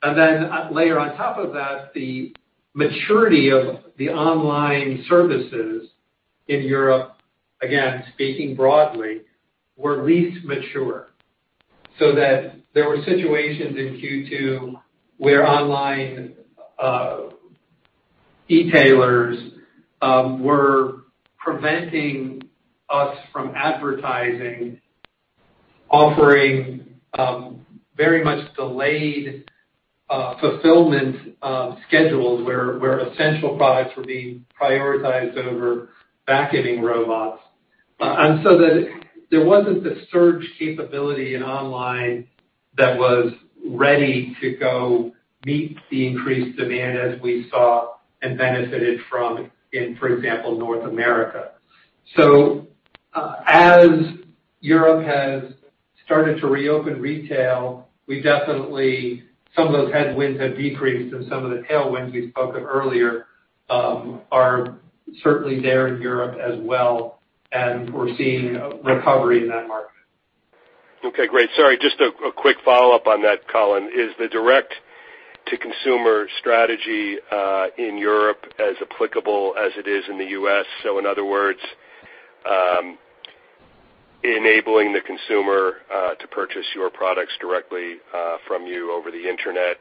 And then layer on top of that, the maturity of the online services in Europe, again, speaking broadly, were least mature. So that there were situations in Q2 where online e-tailers were preventing us from advertising, offering very much delayed fulfillment schedules where essential products were being prioritized over vacuuming robots. And so there wasn't the surge capability in online that was ready to go meet the increased demand as we saw and benefited from in, for example, North America. So as Europe has started to reopen retail, some of those headwinds have decreased, and some of the tailwinds we spoke of earlier are certainly there in Europe as well. And we're seeing recovery in that market. Okay. Great. Sorry. Just a quick follow-up on that, Colin. Is the direct-to-consumer strategy in Europe as applicable as it is in the U.S.? So in other words, enabling the consumer to purchase your products directly from you over the internet,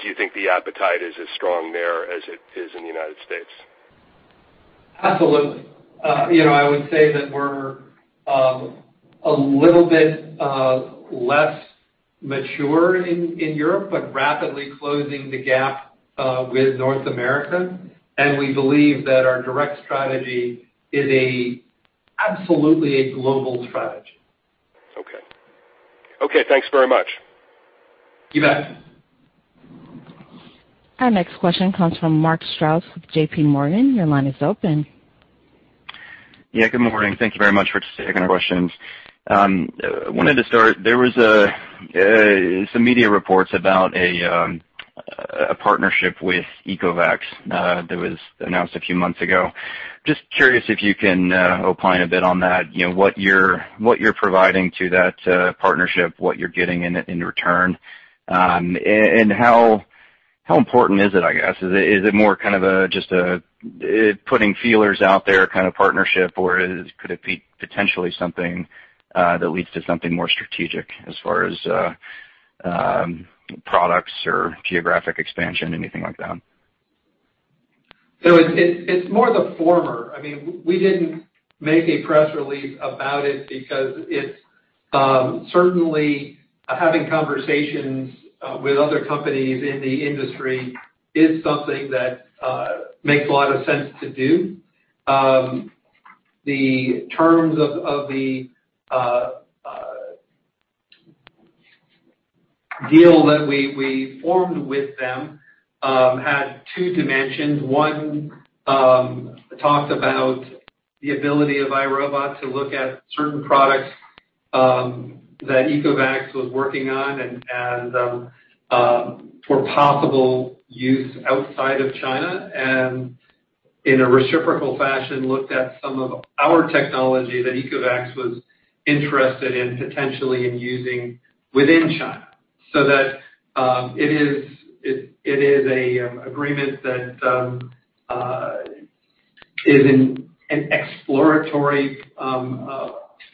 do you think the appetite is as strong there as it is in the United States? Absolutely. I would say that we're a little bit less mature in Europe, but rapidly closing the gap with North America. And we believe that our direct strategy is absolutely a global strategy. Okay. Okay. Thanks very much. You bet. Our next question comes from Mark Strouse with J.P. Morgan. Your line is open. Yeah. Good morning. Thank you very much for taking our questions. I wanted to start. There were some media reports about a partnership with Ecovacs that was announced a few months ago. Just curious if you can opine a bit on that, what you're providing to that partnership, what you're getting in return, and how important is it, I guess? Is it more kind of just a putting feelers out there kind of partnership, or could it be potentially something that leads to something more strategic as far as products or geographic expansion, anything like that? So it's more the former. I mean, we didn't make a press release about it because it's certainly having conversations with other companies in the industry is something that makes a lot of sense to do. The terms of the deal that we formed with them had two dimensions. One talked about the ability of iRobot to look at certain products that Ecovacs was working on and for possible use outside of China, and in a reciprocal fashion, looked at some of our technology that Ecovacs was interested in potentially using within China, so that it is an agreement that is in an exploratory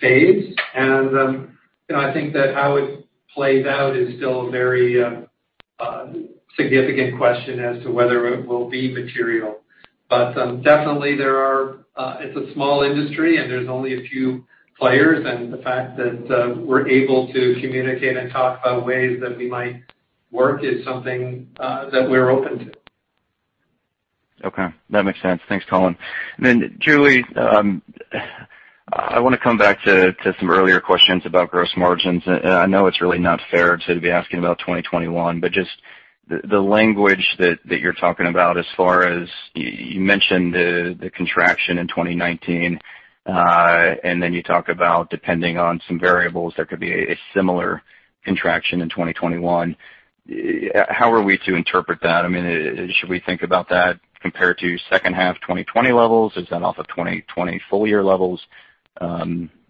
phase, and I think that how it plays out is still a very significant question as to whether it will be material, but definitely, it's a small industry, and there's only a few players. And the fact that we're able to communicate and talk about ways that we might work is something that we're open to. Okay. That makes sense. Thanks, Colin. And then, Julie, I want to come back to some earlier questions about gross margins. I know it's really not fair to be asking about 2021, but just the language that you're talking about as far as you mentioned the contraction in 2019, and then you talk about depending on some variables, there could be a similar contraction in 2021. How are we to interpret that? I mean, should we think about that compared to second half 2020 levels? Is that off of 2020 full year levels?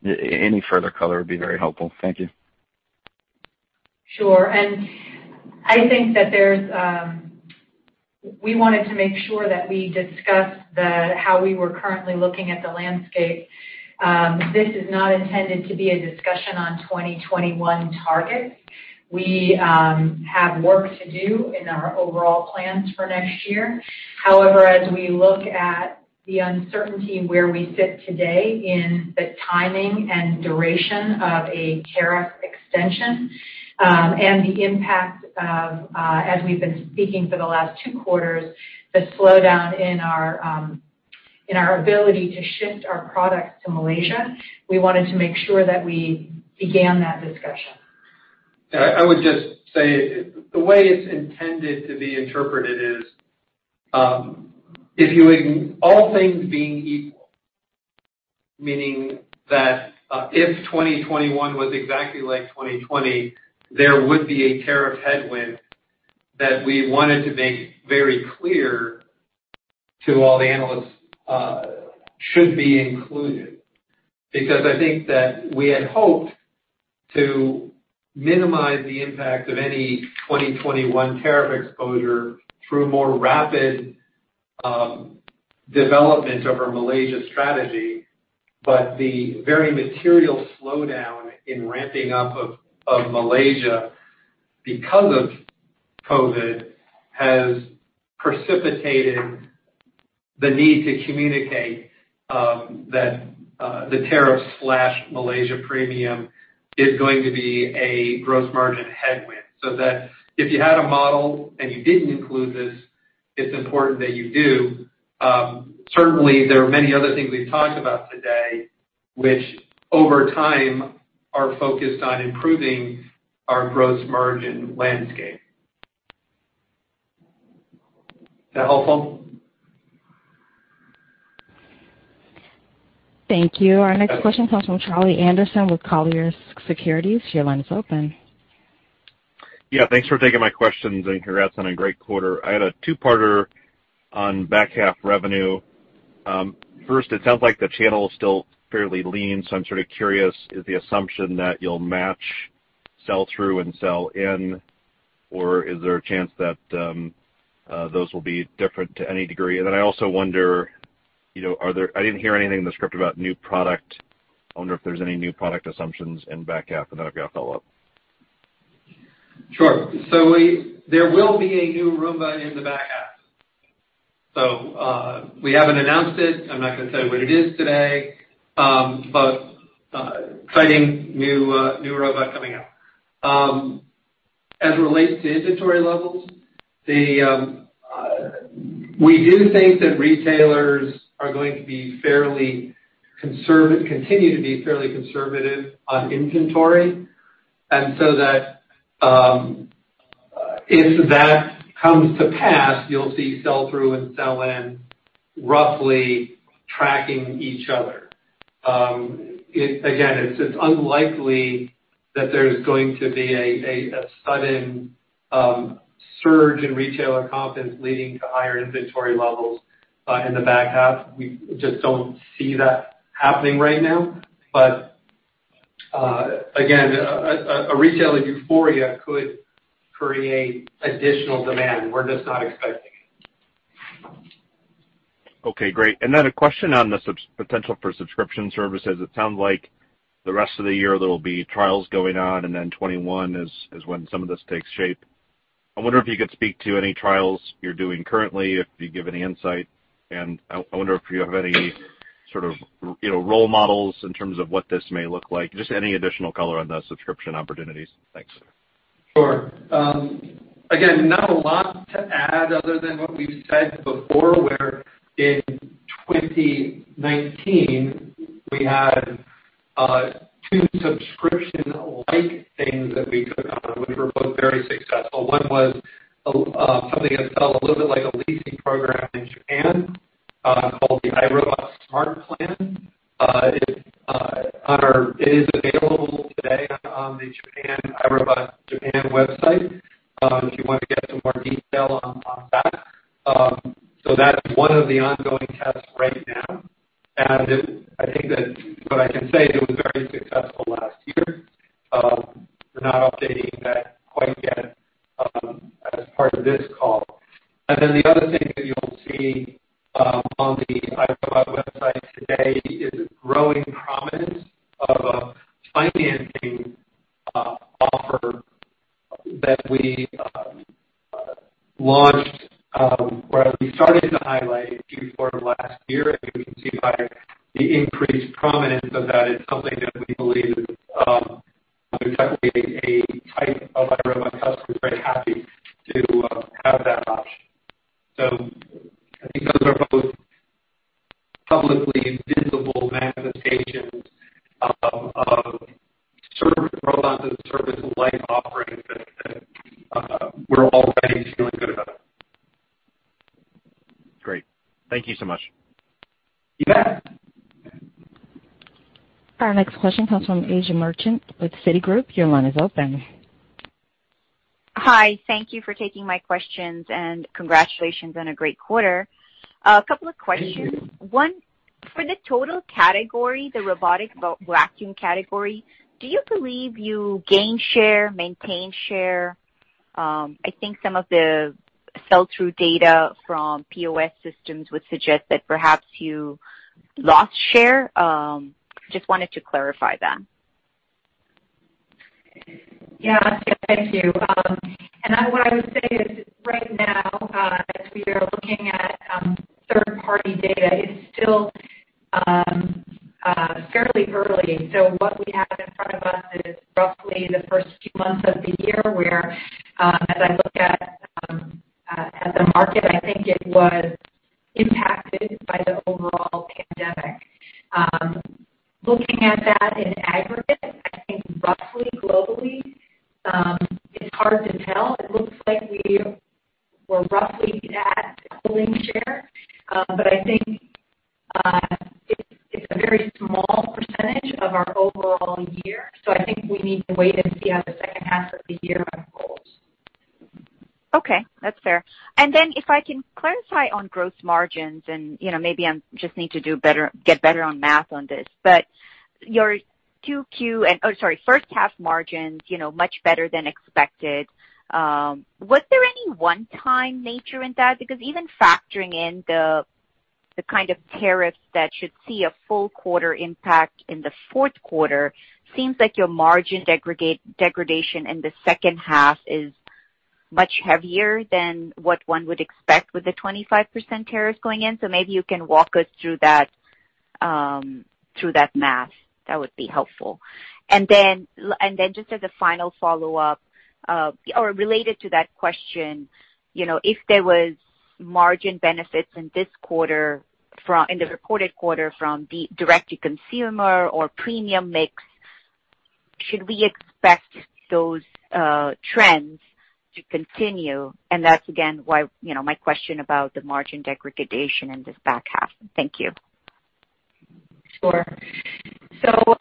Any further color would be very helpful. Thank you. Sure. And I think that we wanted to make sure that we discussed how we were currently looking at the landscape. This is not intended to be a discussion on 2021 targets. We have work to do in our overall plans for next year. However, as we look at the uncertainty where we sit today in the timing and duration of a tariff extension and the impact of, as we've been speaking for the last two quarters, the slowdown in our ability to shift our products to Malaysia, we wanted to make sure that we began that discussion. I would just say the way it's intended to be interpreted is, if all things being equal, meaning that if 2021 was exactly like 2020, there would be a tariff headwind that we wanted to make very clear to all the analysts should be included. Because I think that we had hoped to minimize the impact of any 2021 tariff exposure through more rapid development of our Malaysia strategy. But the very material slowdown in ramping up of Malaysia because of COVID has precipitated the need to communicate that the tariff/Malaysia premium is going to be a gross margin headwind. So that if you had a model and you didn't include this, it's important that you do. Certainly, there are many other things we've talked about today, which over time are focused on improving our gross margin landscape. Is that helpful? Thank you. Our next question comes from Charlie Anderson with Colliers Securities. Your line is open. Yeah. Thanks for taking my questions. Congrats on a great quarter. I had a two-parter on back half revenue. First, it sounds like the channel is still fairly lean. So I'm sort of curious, is the assumption that you'll match sell-through and sell-in, or is there a chance that those will be different to any degree? And then I also wonder. I didn't hear anything in the script about new product. I wonder if there's any new product assumptions in back half. And then I've got a follow-up. Sure. So there will be a new robot in the back half. So we haven't announced it. I'm not going to tell you what it is today, but exciting new robot coming out. As it relates to inventory levels, we do think that retailers are going to be fairly conservative, continue to be fairly conservative on inventory. And so that if that comes to pass, you'll see sell-through and sell-in roughly tracking each other. Again, it's unlikely that there's going to be a sudden surge in retailer confidence leading to higher inventory levels in the back half. We just don't see that happening right now. But again, a retailer euphoria could create additional demand. We're just not expecting it. Okay. Great. And then a question on the potential for subscription services. It sounds like the rest of the year there will be trials going on, and then 2021 is when some of this takes shape. I wonder if you could speak to any trials you're doing currently, if you give any insight. And I wonder if you have any sort of role models in terms of what this may look like. Just any additional color on the subscription opportunities. Thanks. Sure. Again, not a lot to add other than what we've said before, where in 2019, we had two subscription-like things that we took on, which were both very successful. One was something that felt a little bit like a leasing program in Japan called the iRobot Smart Plan. It is available today on the iRobot Japan website if you want to get some more detail on that, so that's one of the ongoing tests right now, and I think that what I can say is it was very successful last year. We're not updating that quite yet as part of this call, and then the other thing that you'll see on the iRobot website today is a growing prominence of a financing offer that we launched or we started to highlight before last year, and you can see by the increased prominence of that. It's something that we believe is certainly a type of iRobot customer is very happy to have that option, so I think those are both publicly visible manifestations of Robots-as-a-Service like offering that we're already feeling good about. Great. Thank you so much. You bet. Our next question comes from Asiya Merchant with Citigroup. Your line is open. Hi. Thank you for taking my questions. And congratulations on a great quarter. A couple of questions. One, for the total category, the robotic vacuum category, do you believe you gain share, maintain share? I think some of the sell-through data from POS systems would suggest that perhaps you lost share. Just wanted to clarify that. Yeah. Thank you. And what I would say is right now, as we are looking at third-party data, it's still fairly early. So what we have in front of us is roughly the first few months of the year where, as I look at the market, I think it was impacted by the overall pandemic. Looking at that in aggregate, I think roughly globally, it's hard to tell. It looks like we were roughly at holding share. But I think it's a very small percentage of our overall year. So I think we need to wait and see how the second half of the year unfolds. Okay. That's fair. And then if I can clarify on gross margins, and maybe I just need to get better on math on this, but your Q2 and oh, sorry, first half margins much better than expected. Was there any one-time nature in that? Because even factoring in the kind of tariffs that should see a full quarter impact in the fourth quarter, it seems like your margin degradation in the second half is much heavier than what one would expect with the 25% tariffs going in. So maybe you can walk us through that math. That would be helpful. And then just as a final follow-up, or related to that question, if there were margin benefits in the reported quarter from direct-to-consumer or premium mix, should we expect those trends to continue? And that's, again, why my question about the margin degradation in this back half. Thank you. Sure. So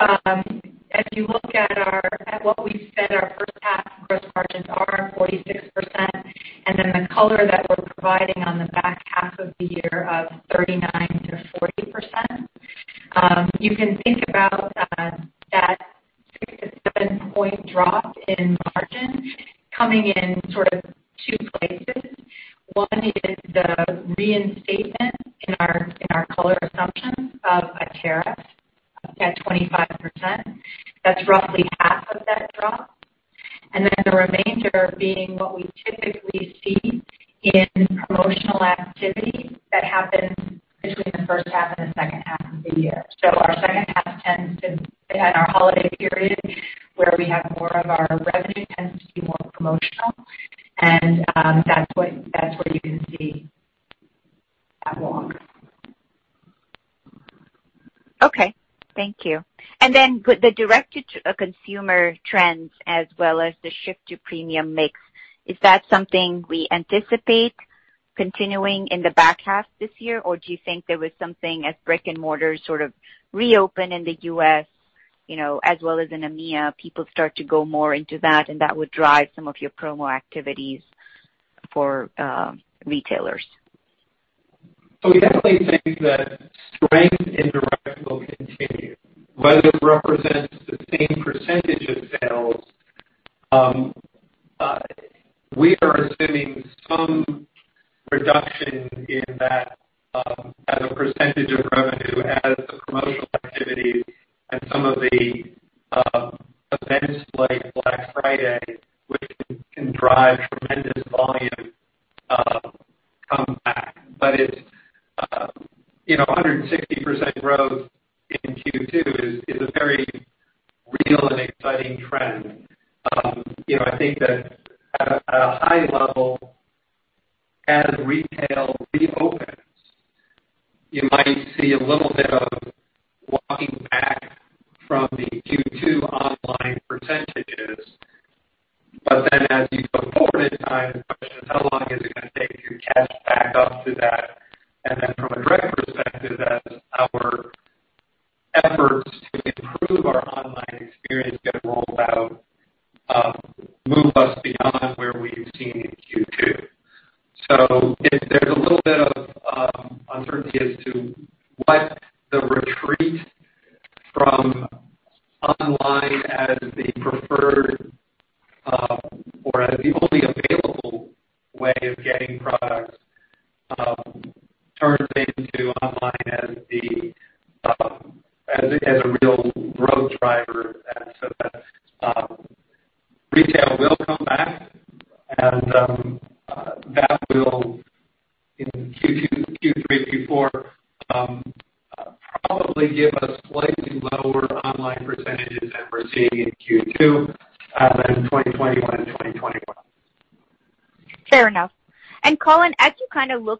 as you look at what we said, our first half gross margins are 46%. And then the color that we're providing on the back half of the year of 39%-40%, you can think Whether it represents the same percentage of sales, we are assuming some reduction in that as a percentage of revenue as the promotional activity and some of the events like Black Friday, which can drive tremendous volume, come back. But 160% growth in Q2 is a very real and exciting trend. I think that at a high level, as retail reopens, you might see a little bit of walking back from the Q2 online percentages. But then as you go forward in time, the question is, how long is it going to take to catch back up to that? And then from a direct perspective, as our efforts to improve our online experience get rolled out,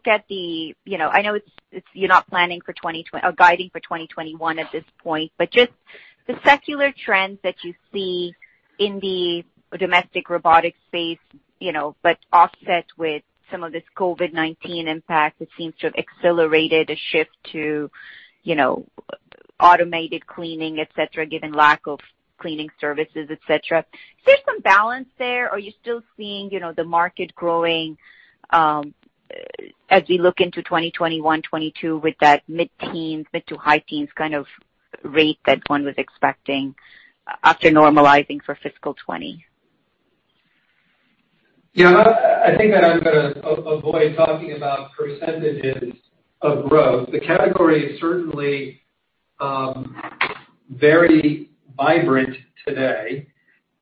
move us beyond where we've seen in Q2. So there's a little bit of uncertainty as to what the retreat from online as the preferred or as the only available way of getting products turns into online as a real growth driver. And so that retail will come back. And that will, in Q3, Q4, probably give us slightly lower online percentages than we're seeing in Q2, as in 2020 and 2021. Fair enough. And Colin, as you kind of look at it, I know you're not planning for 2020 or guiding for 2021 at this point, but just the secular trends that you see in the domestic robotics space, but offset with some of this COVID-19 impact, it seems to have accelerated a shift to automated cleaning, etc., given lack of cleaning services, etc. Is there some balance there? Are you still seeing the market growing as we look into 2021, 2022 with that mid-teens, mid-to-high-teens kind of rate that one was expecting after normalizing for fiscal 2020? I think that I'm going to avoid talking about percentages of growth. The category is certainly very vibrant today,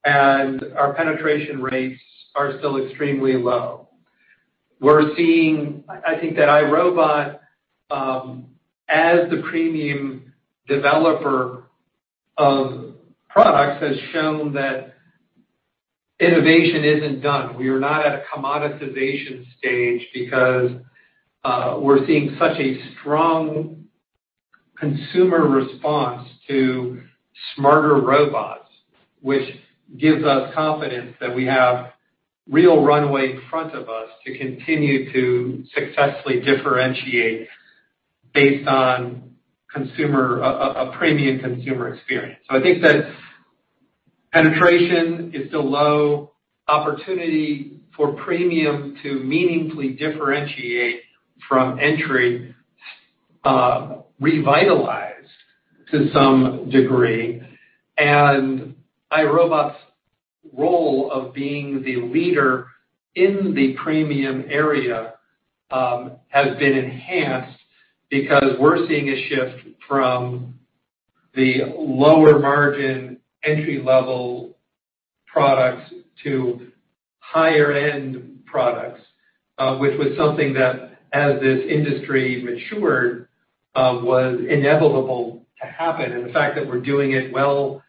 and our penetration rates are still extremely low. I think that iRobot, as the premium developer of products, has shown that innovation isn't done. We are not at a commoditization stage because we're seeing such a strong consumer response to smarter robots, which gives us confidence that we have real runway in front of us to continue to successfully differentiate based on a premium consumer experience. So I think that penetration is still low, opportunity for premium to meaningfully differentiate from entry-level, revitalized to some degree. And iRobot's role of being the leader in the premium area has been enhanced because we're seeing a shift from the lower margin entry-level products to higher-end products, which was something that, as this industry matured, was inevitable to happen. And the fact that we're doing it while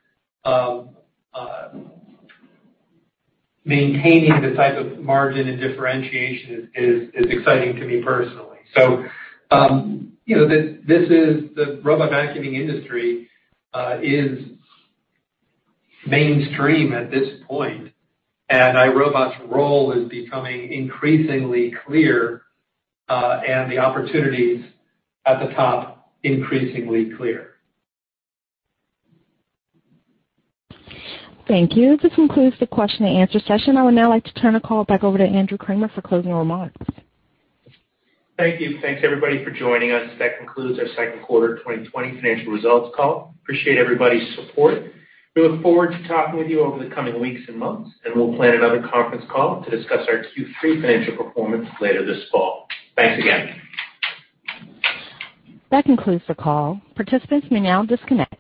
maintaining the type of margin and differentiation is exciting to me personally. So the robot vacuuming industry is mainstream at this point. And iRobot's role is becoming increasingly clear, and the opportunities at the top increasingly clear. Thank you. This concludes the question-and-answer session. I would now like to turn the call back over to Andrew Kramer for closing remarks. Thank you. Thanks, everybody, for joining us. That concludes our second quarter 2020 financial results call. Appreciate everybody's support. We look forward to talking with you over the coming weeks and months. And we'll plan another conference call to discuss our Q3 financial performance later this fall. Thanks again. That concludes the call. Participants may now disconnect.